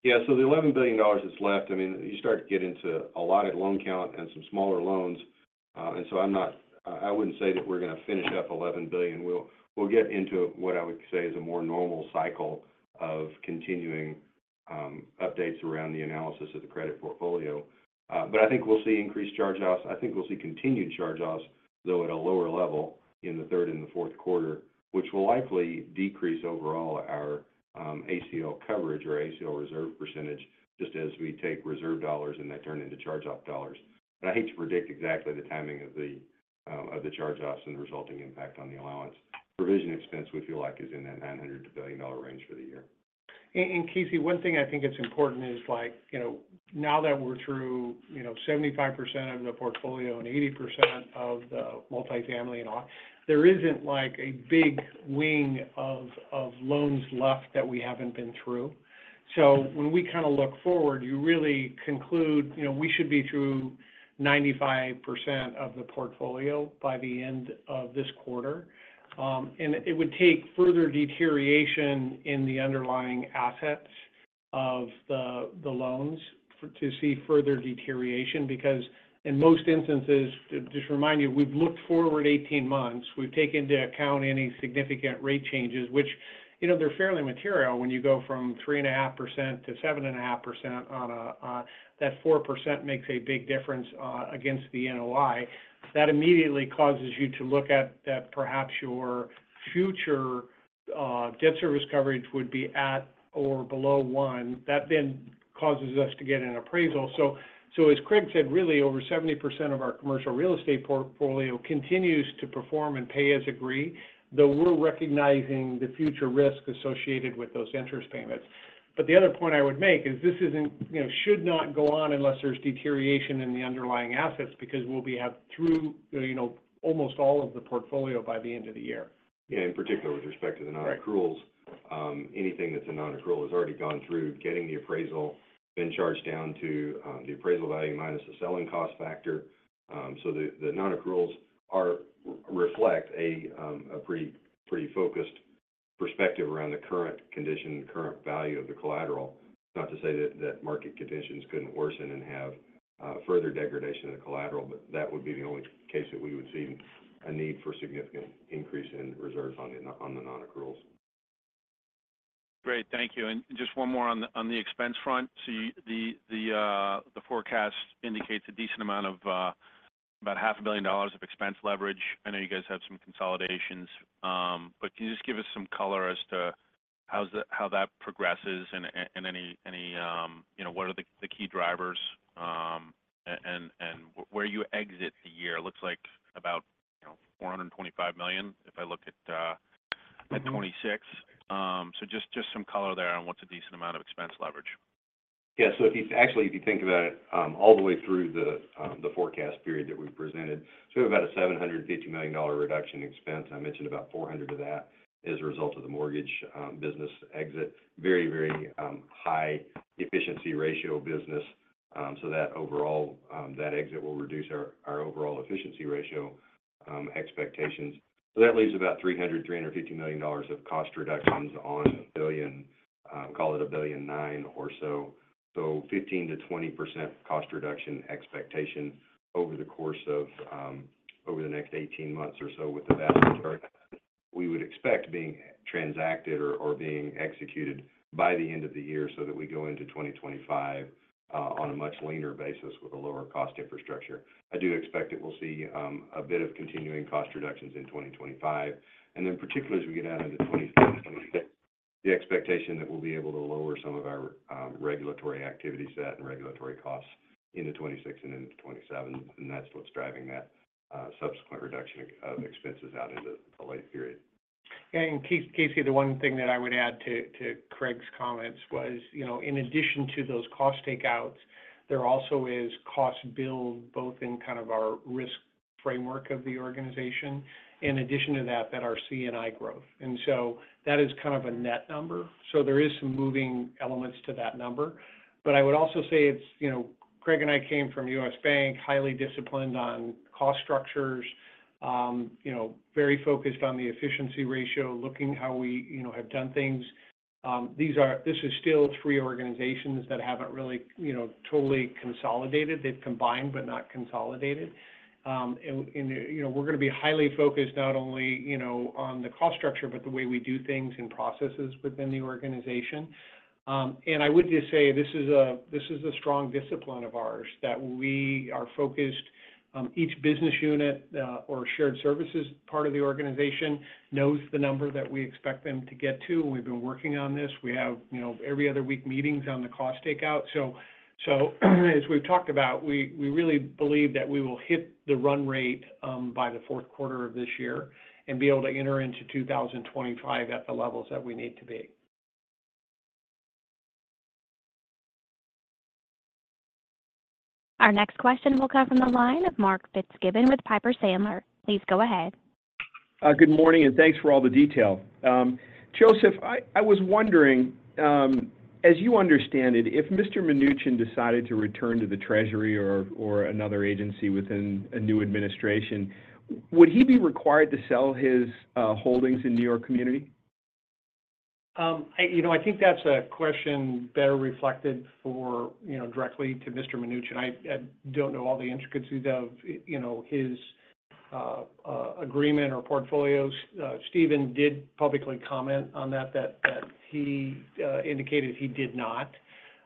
Yeah. So the $11 billion that's left, I mean, you start to get into a lot of loan count and some smaller loans. And so I wouldn't say that we're going to finish up $11 billion. We'll get into what I would say is a more normal cycle of continuing updates around the analysis of the credit portfolio. But I think we'll see increased charge-offs. I think we'll see continued charge-offs, though at a lower level in the third and the fourth quarter, which will likely decrease overall our ACL coverage or ACL reserve percentage just as we take reserve dollars and they turn into charge-off dollars. And I hate to predict exactly the timing of the charge-offs and the resulting impact on the allowance. Provision expense, we feel like, is in that $900 million range for the year. Casey, one thing I think that's important is now that we're through 75% of the portfolio and 80% of the multifamily and all, there isn't a big wing of loans left that we haven't been through. So when we kind of look forward, you really conclude we should be through 95% of the portfolio by the end of this quarter. It would take further deterioration in the underlying assets of the loans to see further deterioration because in most instances, just to remind you, we've looked forward 18 months. We've taken into account any significant rate changes, which they're fairly material. When you go from 3.5%-7.5%, on that 4% makes a big difference against the NOI. That immediately causes you to look at that perhaps your future debt service coverage would be at or below one. That then causes us to get an appraisal. So as Craig said, really over 70% of our commercial real estate portfolio continues to perform and pay as agreed, though we're recognizing the future risk associated with those interest payments. But the other point I would make is this should not go on unless there's deterioration in the underlying assets because we'll be through almost all of the portfolio by the end of the year. Yeah. In particular, with respect to the non-accruals, anything that's a non-accrual has already gone through getting the appraisal, been charged down to the appraisal value minus the selling cost factor. So the non-accruals reflect a pretty focused perspective around the current condition and current value of the collateral. Not to say that market conditions couldn't worsen and have further degradation of the collateral, but that would be the only case that we would see a need for significant increase in reserves on the non-accruals. Great. Thank you. And just one more on the expense front. So the forecast indicates a decent amount of about $500 million of expense leverage. I know you guys have some consolidations. But can you just give us some color as to how that progresses and what are the key drivers and where you exit the year? It looks like about $425 million if I look at 2026. So just some color there on what's a decent amount of expense leverage. Yeah. So actually, if you think about it all the way through the forecast period that we've presented, so we have about a $750 million reduction in expense. I mentioned about $400 million of that as a result of the mortgage business exit. Very, very high efficiency ratio business. So that overall, that exit will reduce our overall efficiency ratio expectations. So that leaves about $300 million-$350 million of cost reductions on a $1 billion, call it a $1.9 billion or so. So 15%-20% cost reduction expectation over the course of over the next 18 months or so with the vast majority of that we would expect being transacted or being executed by the end of the year so that we go into 2025 on a much leaner basis with a lower cost infrastructure. I do expect that we'll see a bit of continuing cost reductions in 2025. Then particularly as we get out into 2026, the expectation that we'll be able to lower some of our regulatory activity set and regulatory costs into 2026 and into 2027. That's what's driving that subsequent reduction of expenses out into the late period. And, Casey, the one thing that I would add to Craig's comments was, in addition to those cost takeouts, there also is cost build both in kind of our risk framework of the organization. In addition to that, that our C&I growth. And so that is kind of a net number. So there is some moving elements to that number. But I would also say it's Craig and I came from U.S. Bank, highly disciplined on cost structures, very focused on the efficiency ratio, looking how we have done things. This is still three organizations that haven't really totally consolidated. They've combined but not consolidated. And we're going to be highly focused not only on the cost structure, but the way we do things and processes within the organization. And I would just say this is a strong discipline of ours that we are focused. Each business unit or shared services part of the organization knows the number that we expect them to get to. We've been working on this. We have every other week meetings on the cost takeout. So as we've talked about, we really believe that we will hit the run rate by the fourth quarter of this year and be able to enter into 2025 at the levels that we need to be. Our next question will come from the line of Mark Fitzgibbon with Piper Sandler. Please go ahead. Good morning and thanks for all the detail. Joseph, I was wondering, as you understand it, if Mr. Mnuchin decided to return to the Treasury or another agency within a new administration, would he be required to sell his holdings in New York Community? I think that's a question better reflected directly to Mr. Mnuchin. I don't know all the intricacies of his agreement or portfolios. Steven did publicly comment on that, that he indicated he did not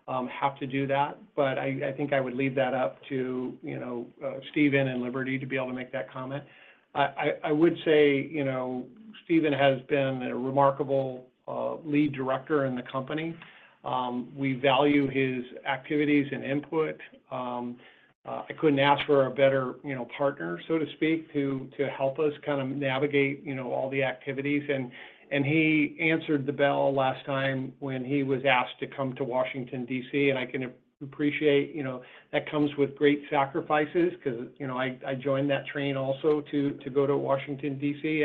have to do that. But I think I would leave that up to Steven and Liberty to be able to make that comment. I would say Steven has been a remarkable lead director in the company. We value his activities and input. I couldn't ask for a better partner, so to speak, to help us kind of navigate all the activities. He answered the bell last time when he was asked to come to Washington, D.C. I can appreciate that comes with great sacrifices because I joined that train also to go to Washington, D.C.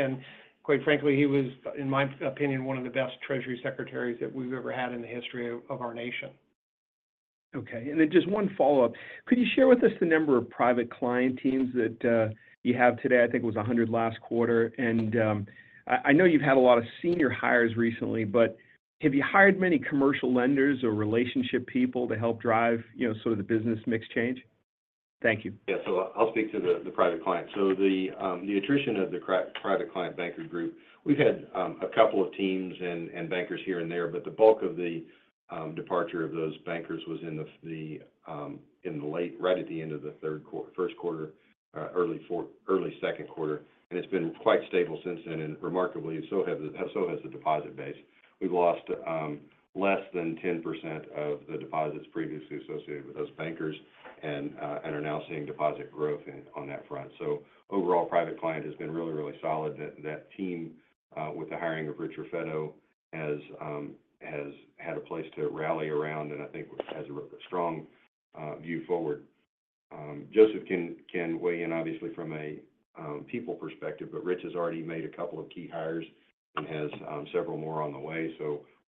Quite frankly, he was, in my opinion, one of the best Treasury secretaries that we've ever had in the history of our nation. Okay. And then just one follow-up. Could you share with us the number of Private Client teams that you have today? I think it was 100 last quarter. And I know you've had a lot of senior hires recently, but have you hired many commercial lenders or relationship people to help drive sort of the business mix change? Thank you. Yeah. So I'll speak to the Private Client. So the attrition of the Private Client banker group, we've had a couple of teams and bankers here and there, but the bulk of the departure of those bankers was in the late right at the end of the third quarter, first quarter, early second quarter. And it's been quite stable since then. And remarkably, so has the deposit base. We've lost less than 10% of the deposits previously associated with those bankers and are now seeing deposit growth on that front. So overall, Private Client has been really, really solid. That team with the hiring of Richard Raffetto has had a place to rally around and I think has a strong view forward. Joseph can weigh in, obviously, from a people perspective, but Rich has already made a couple of key hires and has several more on the way.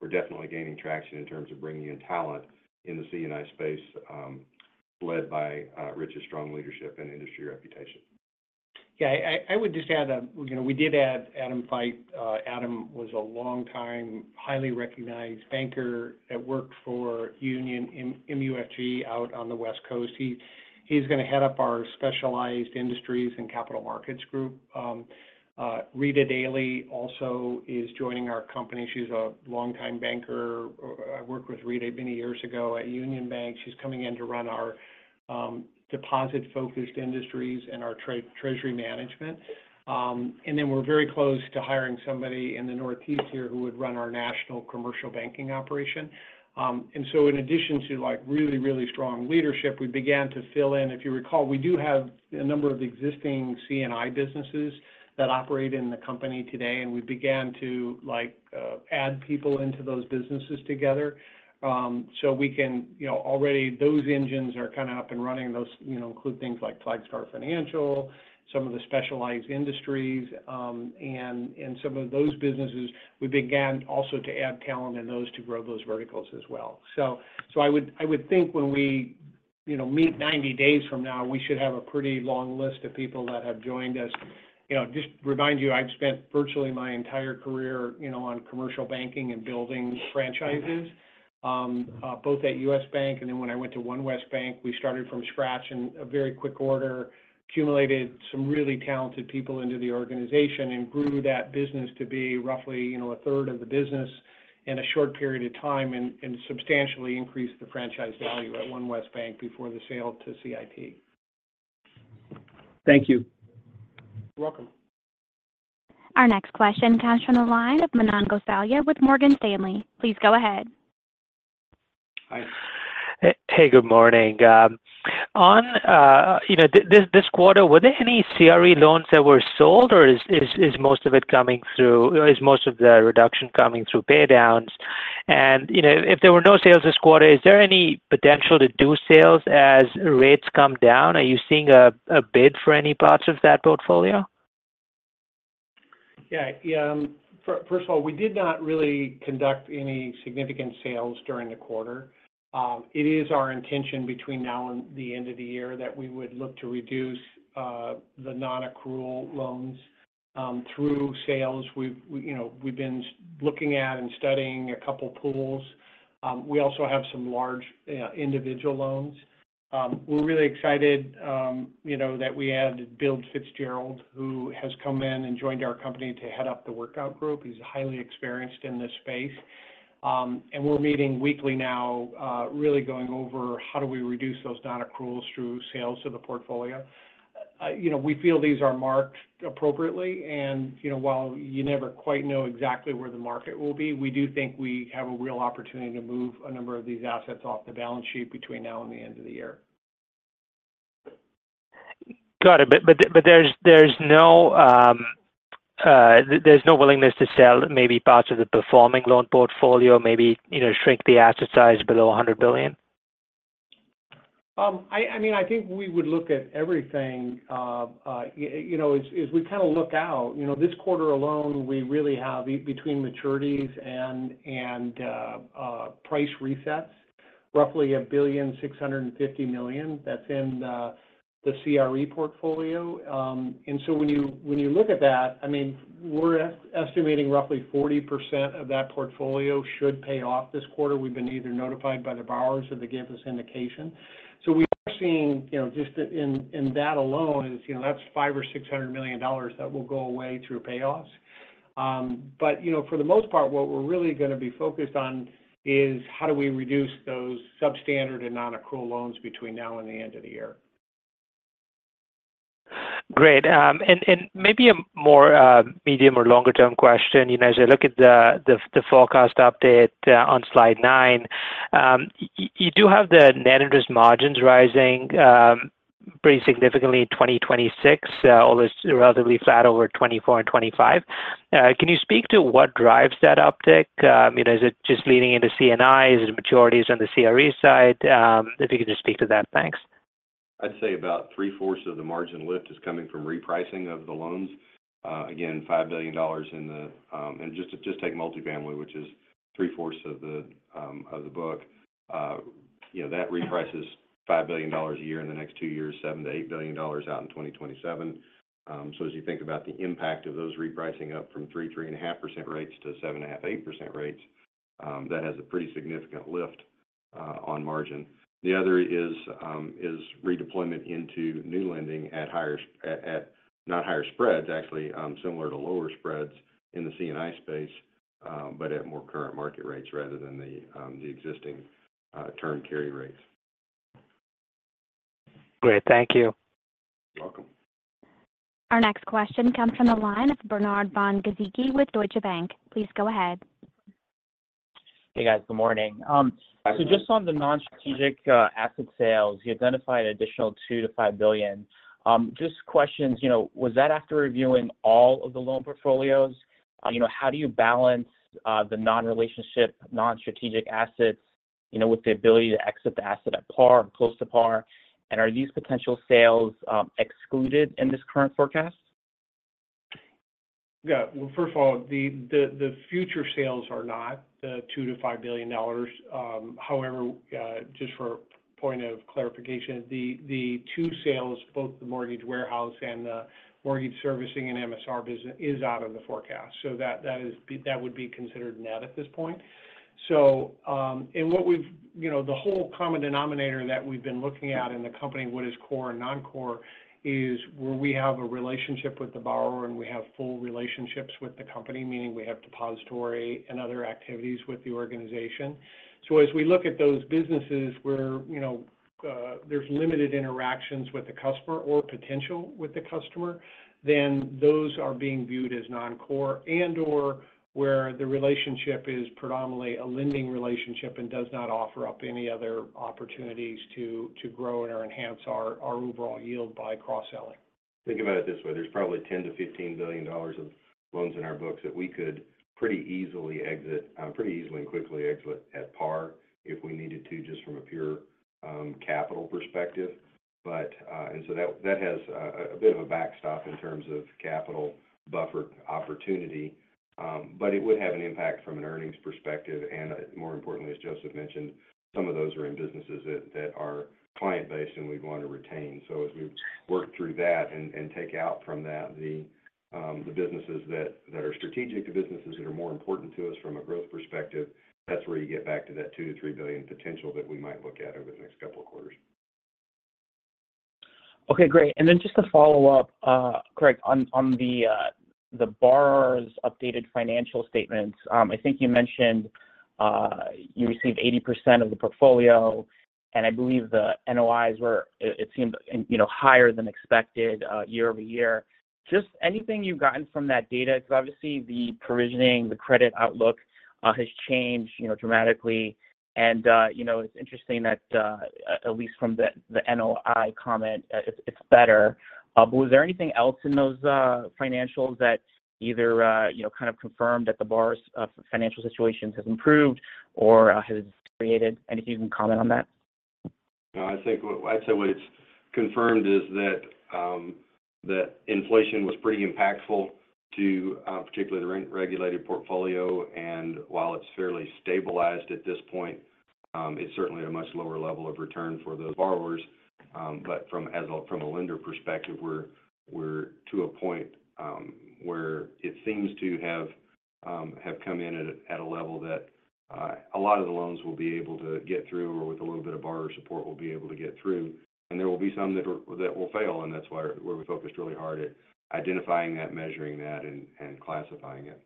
We're definitely gaining traction in terms of bringing in talent in the C&I space led by Rich's strong leadership and industry reputation. Yeah. I would just add that we did add Adam Feit. Adam was a longtime highly recognized banker that worked for Union MUFG out on the West Coast. He's going to head up our Specialized Industries and Capital Markets Group. Rita Dailey also is joining our company. She's a longtime banker. I worked with Rita many years ago at Union Bank. She's coming in to run our Deposit-Focused Industries and our Treasury Management. And then we're very close to hiring somebody in the Northeast here who would run our national commercial banking operation. And so in addition to really, really strong leadership, we began to fill in. If you recall, we do have a number of existing C&I businesses that operate in the company today. And we began to add people into those businesses together so we can already those engines are kind of up and running. Those include things like Flagstar Financial, some of the specialized industries. In some of those businesses, we began also to add talent in those to grow those verticals as well. I would think when we meet 90 days from now, we should have a pretty long list of people that have joined us. Just remind you, I've spent virtually my entire career on commercial banking and building franchises, both at U.S. Bank and then when I went to OneWest Bank. We started from scratch in a very quick order, accumulated some really talented people into the organization, and grew that business to be roughly a third of the business in a short period of time and substantially increased the franchise value at OneWest Bank before the sale to CIT. Thank you. You're welcome. Our next question comes from the line of Manan Gosalia with Morgan Stanley. Please go ahead. Hi. Hey, good morning. This quarter, were there any CRE loans that were sold, or is most of it coming through? Is most of the reduction coming through paydowns? And if there were no sales this quarter, is there any potential to do sales as rates come down? Are you seeing a bid for any parts of that portfolio? Yeah. First of all, we did not really conduct any significant sales during the quarter. It is our intention between now and the end of the year that we would look to reduce the non-accrual loans through sales. We've been looking at and studying a couple of pools. We also have some large individual loans. We're really excited that we added Bill Fitzgerald, who has come in and joined our company to head up the workout group. He's highly experienced in this space. And we're meeting weekly now, really going over how do we reduce those non-accruals through sales to the portfolio. We feel these are marked appropriately. And while you never quite know exactly where the market will be, we do think we have a real opportunity to move a number of these assets off the balance sheet between now and the end of the year. Got it. But there's no willingness to sell maybe parts of the performing loan portfolio, maybe shrink the asset size below $100 billion? I mean, I think we would look at everything. As we kind of look out, this quarter alone, we really have between maturities and price resets, roughly $1.65 billion. That's in the CRE portfolio. And so when you look at that, I mean, we're estimating roughly 40% of that portfolio should pay off this quarter. We've been either notified by the borrowers or they gave us indication. So we are seeing just in that alone, that's $500 million-$600 million that will go away through payoffs. But for the most part, what we're really going to be focused on is how do we reduce those substandard and non-accrual loans between now and the end of the year. Great. And maybe a more medium or longer-term question. As I look at the forecast update on Slide 9, you do have the net interest margins rising pretty significantly in 2026, although it's relatively flat over 2024 and 2025. Can you speak to what drives that uptick? Is it just lending into C&I? Is it maturities on the CRE side? If you can just speak to that, thanks. I'd say about three-fourths of the margin lift is coming from repricing of the loans. Again, $5 billion in the end and just take multifamily, which is three-fourths of the book. That reprices $5 billion a year in the next two years, $7 billion-$8 billion out in 2027. So as you think about the impact of those repricing up from 3%-3.5% rates to 7.5%-8% rates, that has a pretty significant lift on margin. The other is redeployment into new lending at not higher spreads, actually similar to lower spreads in the C&I space, but at more current market rates rather than the existing term carry rates. Great. Thank you. You're welcome. Our next question comes from the line of Bernard von Gizycki with Deutsche Bank. Please go ahead. Hey, guys. Good morning. So just on the non-strategic asset sales, you identified an additional $2 billion-$5 billion. Just questions, was that after reviewing all of the loan portfolios? How do you balance the non-relationship, non-strategic assets with the ability to exit the asset at par or close to par? And are these potential sales excluded in this current forecast? Yeah. Well, first of all, the future sales are not the $2 billion-$5 billion. However, just for a point of clarification, the two sales, both the mortgage warehouse and the mortgage servicing and MSR business, is out of the forecast. So that would be considered net at this point. And what we've the whole common denominator that we've been looking at in the company, what is core and non-core, is where we have a relationship with the borrower and we have full relationships with the company, meaning we have depository and other activities with the organization. So as we look at those businesses where there's limited interactions with the customer or potential with the customer, then those are being viewed as non-core and/or where the relationship is predominantly a lending relationship and does not offer up any other opportunities to grow or enhance our overall yield by cross-selling. Think about it this way. There's probably $10 billion-$15 billion of loans in our books that we could pretty easily exit, pretty easily and quickly exit at par if we needed to just from a pure capital perspective. And so that has a bit of a backstop in terms of capital buffer opportunity. But it would have an impact from an earnings perspective. And more importantly, as Joseph mentioned, some of those are in businesses that are client-based and we'd want to retain. So as we work through that and take out from that the businesses that are strategic, the businesses that are more important to us from a growth perspective, that's where you get back to that $2 billion-$3 billion potential that we might look at over the next couple of quarters. Okay. Great. Then just to follow up, Craig, on the borrowers' updated financial statements, I think you mentioned you received 80% of the portfolio. And I believe the NOIs were, it seemed, higher than expected year-over-year. Just anything you've gotten from that data? Because obviously, the provisioning, the credit outlook has changed dramatically. And it's interesting that at least from the NOI comment, it's better. But was there anything else in those financials that either kind of confirmed that the borrowers' financial situation has improved or has deteriorated? Anything you can comment on that? I'd say what it's confirmed is that inflation was pretty impactful to particularly the rent-regulated portfolio. And while it's fairly stabilized at this point, it's certainly at a much lower level of return for those borrowers. But from a lender perspective, we're to a point where it seems to have come in at a level that a lot of the loans will be able to get through or with a little bit of borrower support will be able to get through. And there will be some that will fail. And that's why we focused really hard at identifying that, measuring that, and classifying it.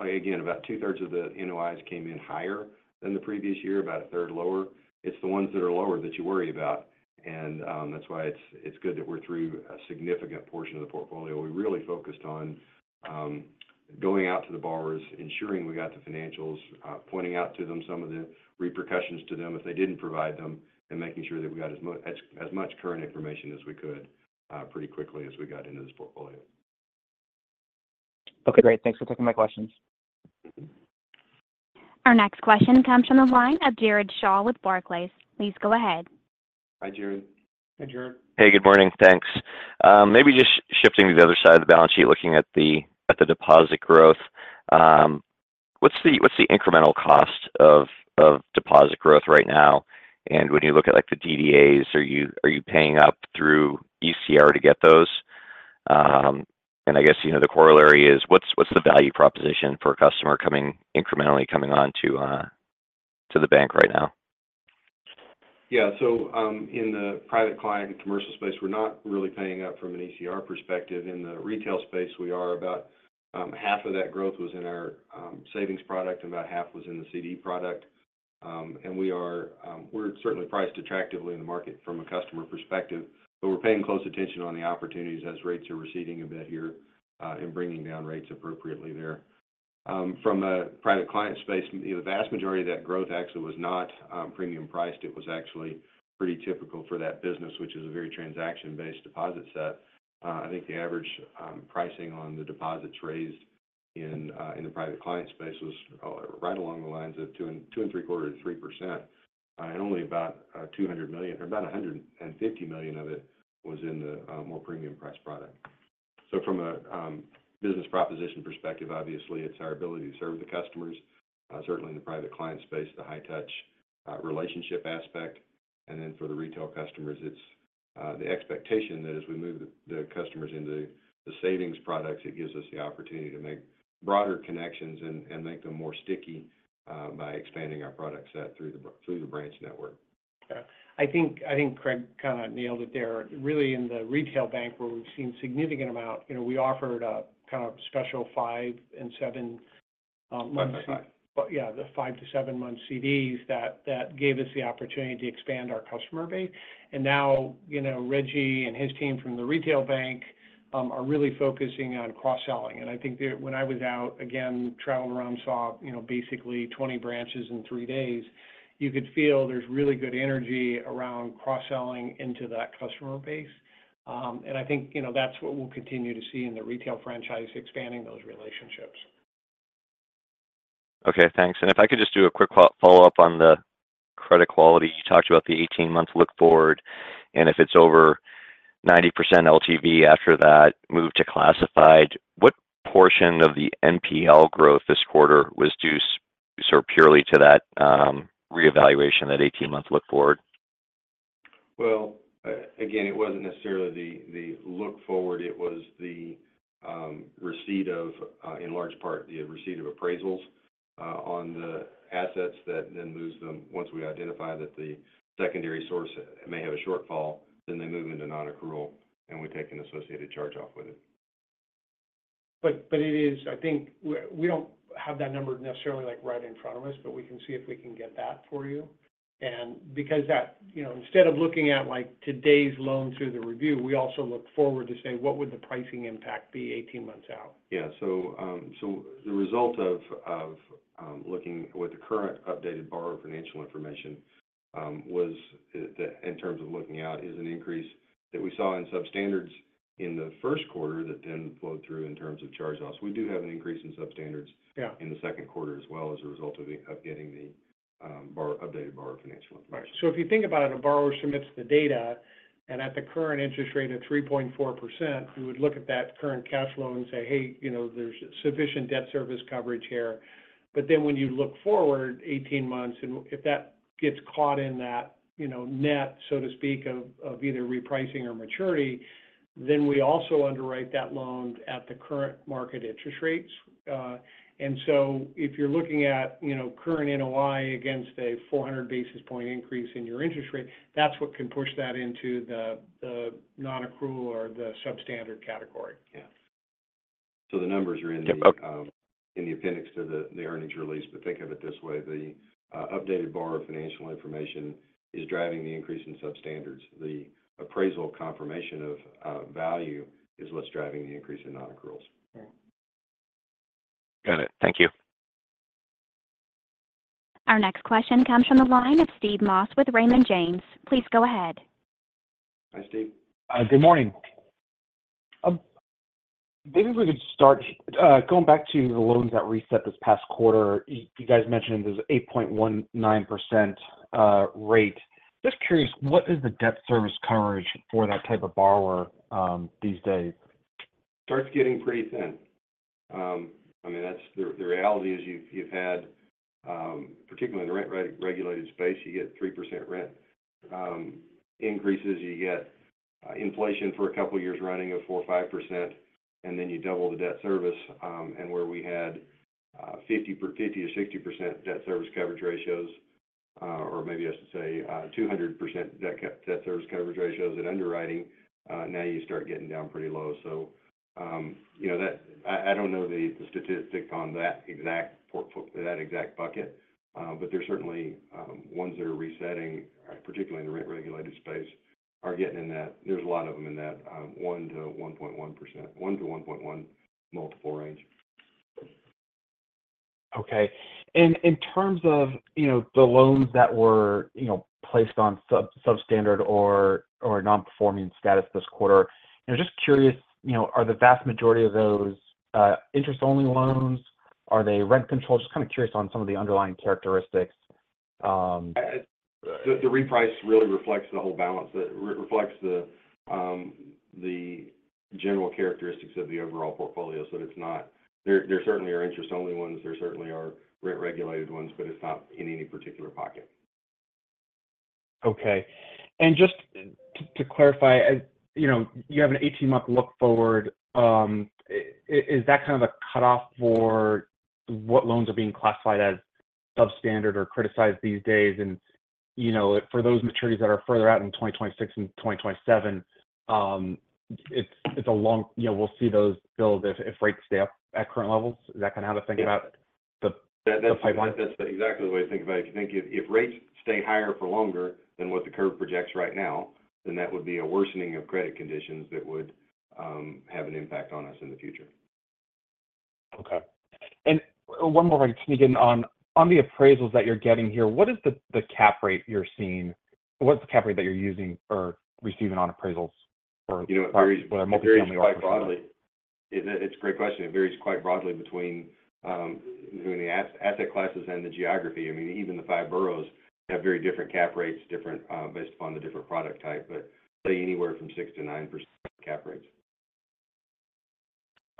Again, about two-thirds of the NOIs came in higher than the previous year, about a third lower. It's the ones that are lower that you worry about. And that's why it's good that we're through a significant portion of the portfolio. We really focused on going out to the borrowers, ensuring we got the financials, pointing out to them some of the repercussions to them if they didn't provide them, and making sure that we got as much current information as we could pretty quickly as we got into this portfolio. Okay. Great. Thanks for taking my questions. Our next question comes from the line of Jared Shaw with Barclays. Please go ahead. Hi, Jared. Hey, Jared. Hey, good morning. Thanks. Maybe just shifting to the other side of the balance sheet, looking at the deposit growth. What's the incremental cost of deposit growth right now? And when you look at the DDAs, are you paying up through ECR to get those? And I guess the corollary is, what's the value proposition for a customer incrementally coming on to the bank right now? Yeah. So in the Private Client and commercial space, we're not really paying up from an ECR perspective. In the retail space, we are about half of that growth was in our savings product and about half was in the CD product. And we're certainly priced attractively in the market from a customer perspective. But we're paying close attention on the opportunities as rates are receding a bit here and bringing down rates appropriately there. From a Private Client space, the vast majority of that growth actually was not premium priced. It was actually pretty typical for that business, which is a very transaction-based deposit set. I think the average pricing on the deposits raised in the Private Client space was right along the lines of 2.75%. And only about $200 million or about $150 million of it was in the more premium price product. From a business proposition perspective, obviously, it's our ability to serve the customers. Certainly, in the Private Client space, the high-touch relationship aspect. Then for the retail customers, it's the expectation that as we move the customers into the savings products, it gives us the opportunity to make broader connections and make them more sticky by expanding our product set through the branch network. Yeah. I think Craig kind of nailed it there. Really, in the retail bank, where we've seen a significant amount, we offered a kind of special 5- and 7-month. 5 to 5. Yeah, the 5- to 7-month CDs that gave us the opportunity to expand our customer base. And now Reggie and his team from the retail bank are really focusing on cross-selling. And I think when I was out, again, traveled around, saw basically 20 branches in 3 days, you could feel there's really good energy around cross-selling into that customer base. And I think that's what we'll continue to see in the retail franchise expanding those relationships. Okay. Thanks. If I could just do a quick follow-up on the credit quality. You talked about the 18-month look forward. If it's over 90% LTV after that, move to classified. What portion of the NPL growth this quarter was due purely to that reevaluation, that 18-month look forward? Well, again, it wasn't necessarily the look forward. It was the receipt of, in large part, the receipt of appraisals on the assets that then moves them once we identify that the secondary source may have a shortfall, then they move into non-accrual, and we take an associated charge-off with it. But it is, I think we don't have that number necessarily right in front of us, but we can see if we can get that for you. And because instead of looking at today's loan through the review, we also look forward to say, what would the pricing impact be 18 months out? Yeah. So the result of looking with the current updated borrower financial information was, in terms of looking out, is an increase that we saw in substandards in the first quarter that then flowed through in terms of charge-offs. We do have an increase in substandards in the second quarter as well as a result of getting the updated borrower financial information. So if you think about it, a borrower submits the data, and at the current interest rate of 3.4%, you would look at that current cash flow and say, "Hey, there's sufficient debt service coverage here." But then when you look forward 18 months, and if that gets caught in that net, so to speak, of either repricing or maturity, then we also underwrite that loan at the current market interest rates. And so if you're looking at current NOI against a 400 basis point increase in your interest rate, that's what can push that into the non-accrual or the substandard category. Yeah. So the numbers are in the appendix to the earnings release. But think of it this way. The updated borrower financial information is driving the increase in substandards. The appraisal confirmation of value is what's driving the increase in non-accruals. Got it. Thank you. Our next question comes from the line of Steve Moss with Raymond James. Please go ahead. Hi, Steve. Good morning. Maybe if we could start going back to the loans that reset this past quarter, you guys mentioned there's an 8.19% rate. Just curious, what is the debt service coverage for that type of borrower these days? Starts getting pretty thin. I mean, the reality is you've had, particularly in the rent-regulated space, you get 3% rent increases. You get inflation for a couple of years running of 4%-5%, and then you double the debt service. And where we had 50%-60% debt service coverage ratios, or maybe I should say 200% debt service coverage ratios at underwriting, now you start getting down pretty low. So I don't know the statistic on that exact bucket, but there's certainly ones that are resetting, particularly in the rent-regulated space, are getting in that. There's a lot of them in that 1-1.1x multiple range. Okay. And in terms of the loans that were placed on substandard or non-performing status this quarter, just curious, are the vast majority of those interest-only loans? Are they rent-controlled? Just kind of curious on some of the underlying characteristics. The reprice really reflects the whole balance. It reflects the general characteristics of the overall portfolio. So there certainly are interest-only ones. There certainly are rent-regulated ones, but it's not in any particular pocket. Okay. And just to clarify, you have an 18-month look forward. Is that kind of a cutoff for what loans are being classified as substandard or criticized these days? And for those maturities that are further out in 2026 and 2027, it's along, we'll see those build if rates stay up at current levels. Is that kind of how to think about the pipeline? That's exactly the way to think about it. If rates stay higher for longer than what the curve projects right now, then that would be a worsening of credit conditions that would have an impact on us in the future. Okay. And one more question to begin on. On the appraisals that you're getting here, what is the cap rate you're seeing? What's the cap rate that you're using or receiving on appraisals for multi-family or five-family? It's a great question. It varies quite broadly between the asset classes and the geography. I mean, even the five boroughs have very different cap rates based upon the different product type. But anywhere from 6%-9% cap rates.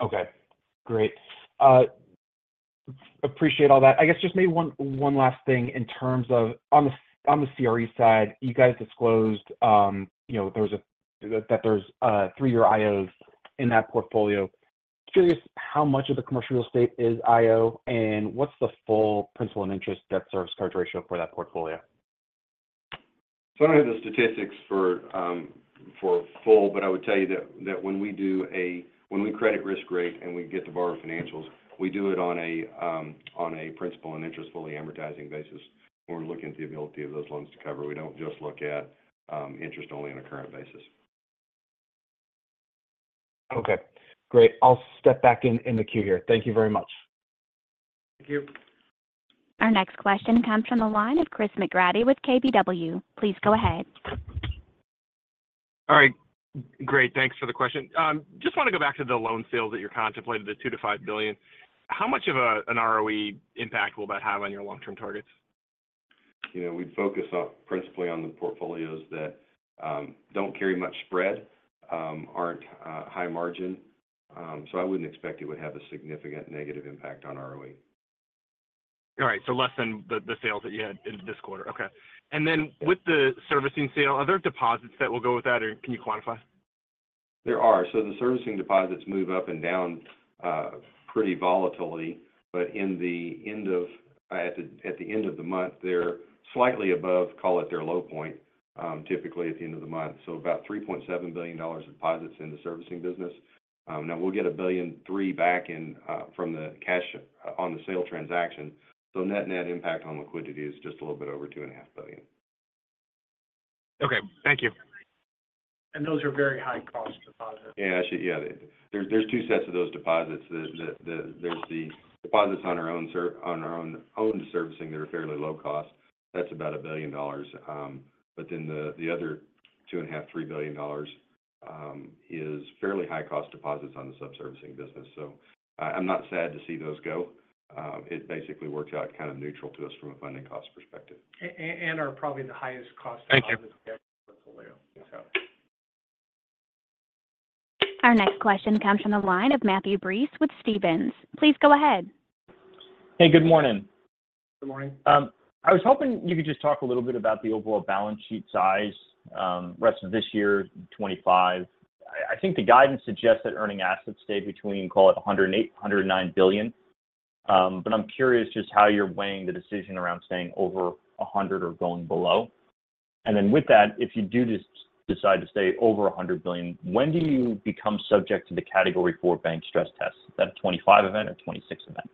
Okay. Great. Appreciate all that. I guess just maybe one last thing in terms of on the CRE side, you guys disclosed that there's 3-year IOs in that portfolio. Curious how much of the commercial real estate is IO and what's the full principal and interest debt service coverage ratio for that portfolio? So, I don't have the statistics for full, but I would tell you that when we do a credit risk rating and we get the borrower financials, we do it on a principal and interest fully amortizing basis when we're looking at the ability of those loans to cover. We don't just look at interest-only on a current basis. Okay. Great. I'll step back in the queue here. Thank you very much. Thank you. Our next question comes from the line of Chris McGratty with KBW. Please go ahead. All right. Great. Thanks for the question. Just want to go back to the loan sales that you're contemplating, the $2 billion-$5 billion. How much of an ROE impact will that have on your long-term targets? We focus principally on the portfolios that don't carry much spread, aren't high margin. So I wouldn't expect it would have a significant negative impact on ROE. All right. So less than the sales that you had this quarter. Okay. And then with the servicing sale, are there deposits that will go with that, or can you quantify? There are. So the servicing deposits move up and down pretty volatile. But at the end of the month, they're slightly above, call it their low point, typically at the end of the month. So about $3.7 billion of deposits in the servicing business. Now, we'll get $1.3 billion back from the cash on the sale transaction. So net-net impact on liquidity is just a little bit over $2.5 billion. Okay. Thank you. And those are very high-cost deposits. Yeah. There's two sets of those deposits. There's the deposits on our own servicing that are fairly low cost. That's about $1 billion. But then the other $2.5 billion-$3 billion is fairly high-cost deposits on the subservicing business. So I'm not sad to see those go. It basically works out kind of neutral to us from a funding cost perspective. And are probably the highest cost deposits in the portfolio. Our next question comes from the line of Matthew Breese with Stephens. Please go ahead. Hey, good morning. Good morning. I was hoping you could just talk a little bit about the overall balance sheet size rest of this year, 2025. I think the guidance suggests that earning assets stay between, call it, $109 billion. But I'm curious just how you're weighing the decision around staying over $100 billion or going below. And then with that, if you do decide to stay over $100 billion, when do you become subject to the Category IV bank stress test? Is that a 2025 event or 2026 event?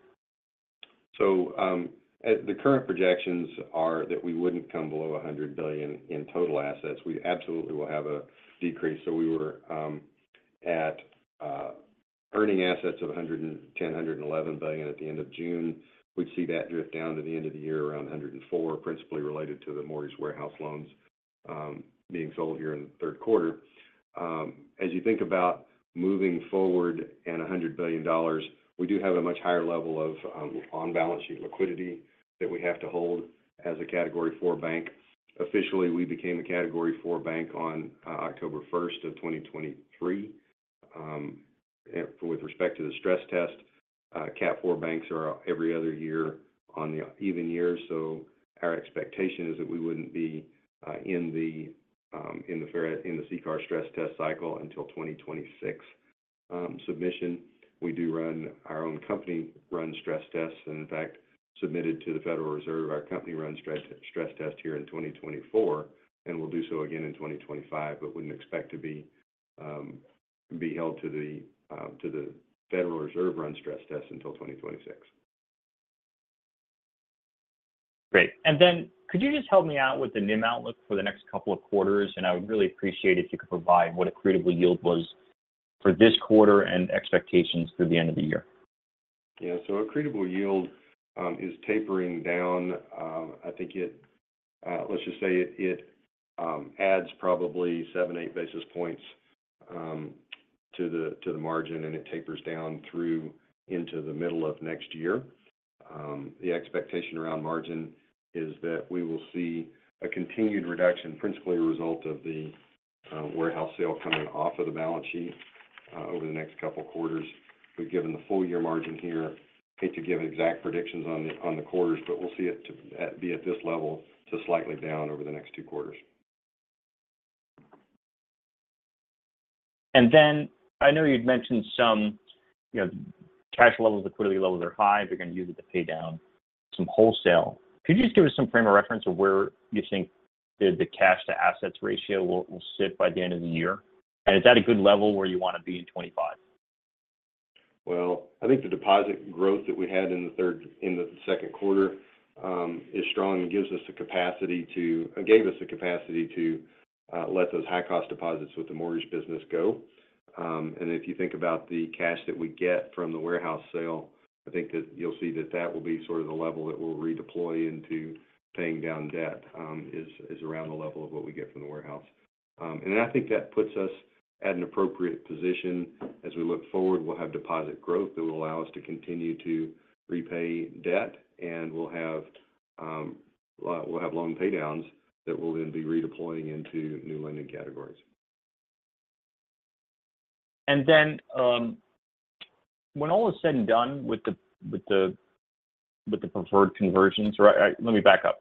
So the current projections are that we wouldn't come below $100 billion in total assets. We absolutely will have a decrease. So we were at earning assets of $110 billion-$111 billion at the end of June. We'd see that drift down to the end of the year around $104 billion, principally related to the mortgage warehouse loans being sold here in the third quarter. As you think about moving forward and $100 billion, we do have a much higher level of on-balance sheet liquidity that we have to hold as a Category IV bank. Officially, we became a Category IV bank on October 1st of 2023. With respect to the stress test, Category IV banks are every other year on the even year. So our expectation is that we wouldn't be in the CCAR stress test cycle until 2026 submission. We do run our own company-run stress tests. In fact, submitted to the Federal Reserve our company-run stress test here in 2024, and we'll do so again in 2025, but wouldn't expect to be held to the Federal Reserve-run stress test until 2026. Great. And then could you just help me out with the NIM outlook for the next couple of quarters? And I would really appreciate it if you could provide what accrual yield was for this quarter and expectations through the end of the year. Yeah. So accretable yield is tapering down. I think it, let's just say it adds probably 7-8 basis points to the margin, and it tapers down through into the middle of next year. The expectation around margin is that we will see a continued reduction, principally a result of the warehouse sale coming off of the balance sheet over the next couple of quarters. We've given the full year margin here. Hate to give exact predictions on the quarters, but we'll see it be at this level to slightly down over the next two quarters. Then I know you'd mentioned some cash levels, liquidity levels are high. They're going to use it to pay down some wholesale. Could you just give us some frame of reference of where you think the cash-to-assets ratio will sit by the end of the year? And is that a good level where you want to be in 2025? Well, I think the deposit growth that we had in the second quarter is strong and gives us the capacity to let those high-cost deposits with the mortgage business go. If you think about the cash that we get from the warehouse sale, I think that you'll see that will be sort of the level that we'll redeploy into paying down debt is around the level of what we get from the warehouse. I think that puts us at an appropriate position as we look forward. We'll have deposit growth that will allow us to continue to repay debt, and we'll have loan paydowns that will then be redeploying into new lending categories. And then when all is said and done with the preferred conversions, let me back up.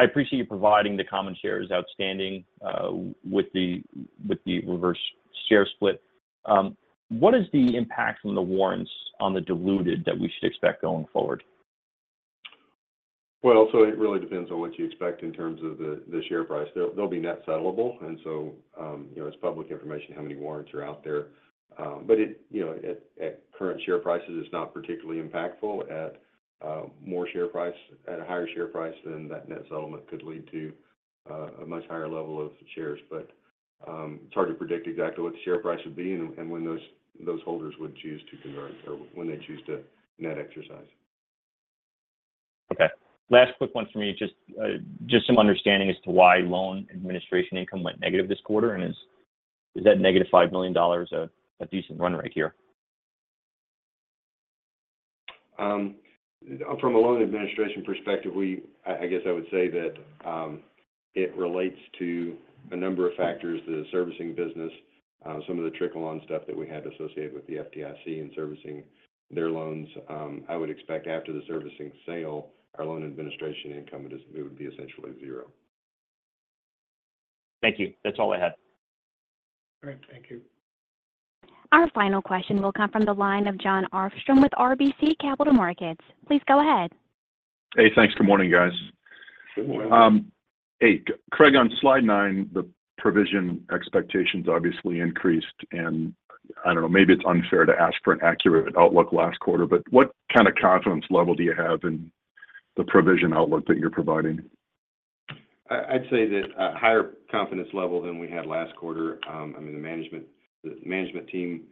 I appreciate you providing the common shares outstanding with the reverse share split. What is the impact from the warrants on the diluted that we should expect going forward? Well, so it really depends on what you expect in terms of the share price. They'll be net settleable. And so it's public information how many warrants are out there. But at current share prices, it's not particularly impactful. At more share price, at a higher share price, then that net settlement could lead to a much higher level of shares. But it's hard to predict exactly what the share price would be and when those holders would choose to convert or when they choose to net exercise. Okay. Last quick one for me. Just some understanding as to why loan administration income went negative this quarter. Is that -$5 million a decent run rate here? From a loan administration perspective, I guess I would say that it relates to a number of factors: the servicing business, some of the trickle-on stuff that we had associated with the FDIC and servicing their loans. I would expect, after the servicing sale, our loan administration income would be essentially zero. Thank you. That's all I had. All right. Thank you. Our final question will come from the line of Jon Arfstrom with RBC Capital Markets. Please go ahead. Hey, thanks. Good morning, guys. Good morning. Hey, Craig, on Slide 9, the provision expectations obviously increased. And I don't know, maybe it's unfair to ask for an accurate outlook last quarter, but what kind of confidence level do you have in the provision outlook that you're providing? I'd say that a higher confidence level than we had last quarter. I mean, the management team,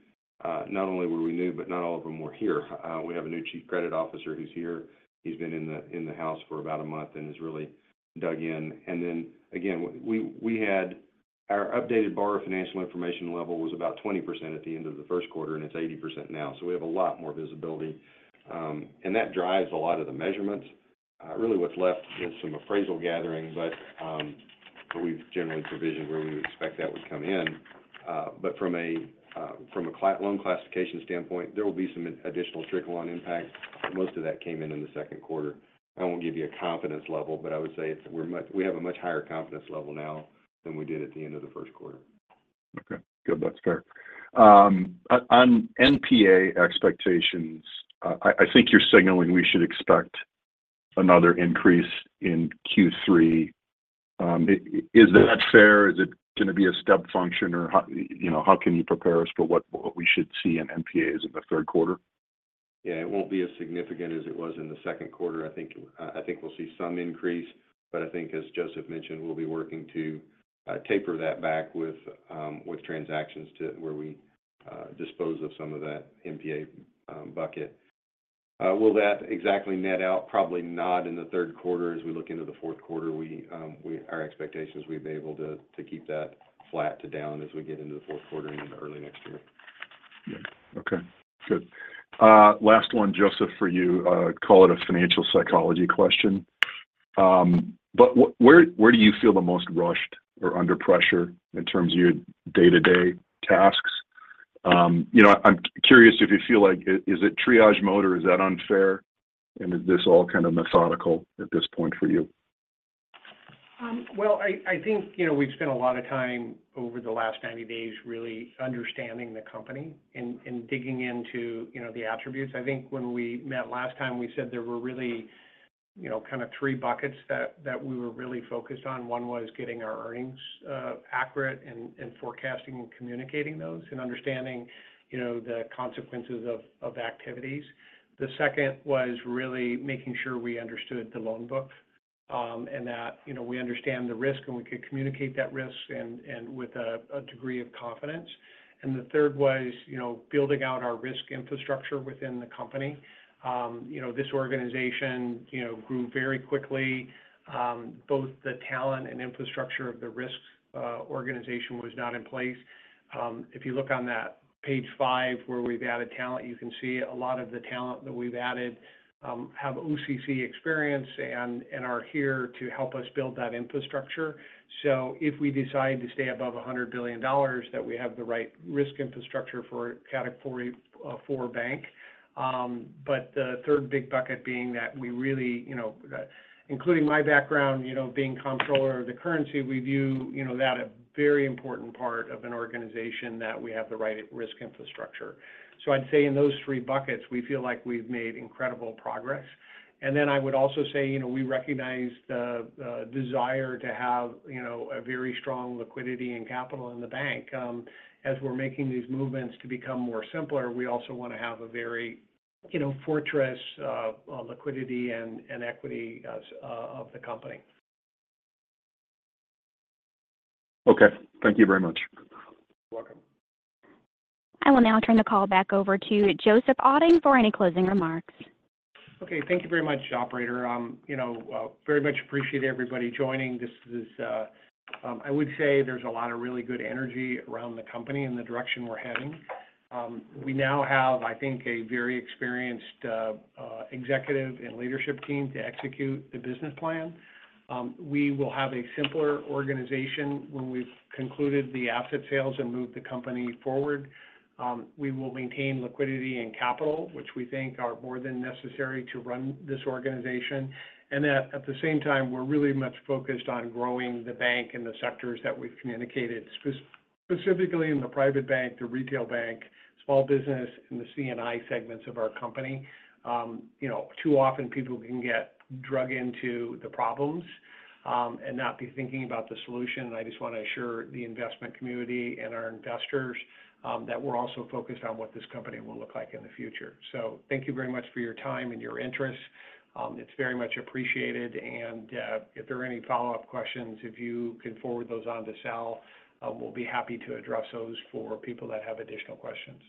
not only were we new, but not all of them were here. We have a new Chief Credit Officer who's here. He's been in the house for about a month and has really dug in. And then again, our updated borrower financial information level was about 20% at the end of the first quarter, and it's 80% now. So we have a lot more visibility. And that drives a lot of the measurements. Really, what's left is some appraisal gathering, but we've generally provisioned where we would expect that would come in. But from a loan classification standpoint, there will be some additional trickle-on impact. Most of that came in in the second quarter. I won't give you a confidence level, but I would say we have a much higher confidence level now than we did at the end of the first quarter. Okay. Good. That's fair. On NPA expectations, I think you're signaling we should expect another increase in Q3. Is that fair? Is it going to be a step function, or how can you prepare us for what we should see in NPAs in the third quarter? Yeah. It won't be as significant as it was in the second quarter. I think we'll see some increase. But I think, as Joseph mentioned, we'll be working to taper that back with transactions where we dispose of some of that NPA bucket. Will that exactly net out? Probably not in the third quarter. As we look into the fourth quarter, our expectations will be able to keep that flat to down as we get into the fourth quarter and into early next year. Yeah. Okay. Good. Last one, Joseph, for you. Call it a financial psychology question. But where do you feel the most rushed or under pressure in terms of your day-to-day tasks? I'm curious if you feel like, is it triage mode or is that unfair? And is this all kind of methodical at this point for you? Well, I think we've spent a lot of time over the last 90 days really understanding the company and digging into the attributes. I think when we met last time, we said there were really kind of three buckets that we were really focused on. One was getting our earnings accurate and forecasting and communicating those and understanding the consequences of activities. The second was really making sure we understood the loan book and that we understand the risk and we could communicate that risk with a degree of confidence. And the third was building out our risk infrastructure within the company. This organization grew very quickly. Both the talent and infrastructure of the risk organization was not in place. If you look on that Page 5 where we've added talent, you can see a lot of the talent that we've added have OCC experience and are here to help us build that infrastructure. So if we decide to stay above $100 billion, that we have the right risk infrastructure for a Category IV bank. But the third big bucket being that we really, including my background, being Comptroller of the Currency, we view that as a very important part of an organization that we have the right risk infrastructure. So I'd say in those three buckets, we feel like we've made incredible progress. And then I would also say we recognize the desire to have a very strong liquidity and capital in the bank. As we're making these movements to become more simpler, we also want to have a very fortress liquidity and equity of the company. Okay. Thank you very much. You're welcome. I will now turn the call back over to Joseph Otting for any closing remarks. Okay. Thank you very much, operator. Very much appreciate everybody joining. I would say there's a lot of really good energy around the company and the direction we're heading. We now have, I think, a very experienced executive and leadership team to execute the business plan. We will have a simpler organization when we've concluded the asset sales and moved the company forward. We will maintain liquidity and capital, which we think are more than necessary to run this organization. And at the same time, we're really much focused on growing the bank and the sectors that we've communicated, specifically in the Private Bank, the retail bank, small business, and the C&I segments of our company. Too often, people can get dragged into the problems and not be thinking about the solution. I just want to assure the investment community and our investors that we're also focused on what this company will look like in the future. Thank you very much for your time and your interest. It's very much appreciated. If there are any follow-up questions, if you can forward those on to Sal, we'll be happy to address those for people that have additional questions.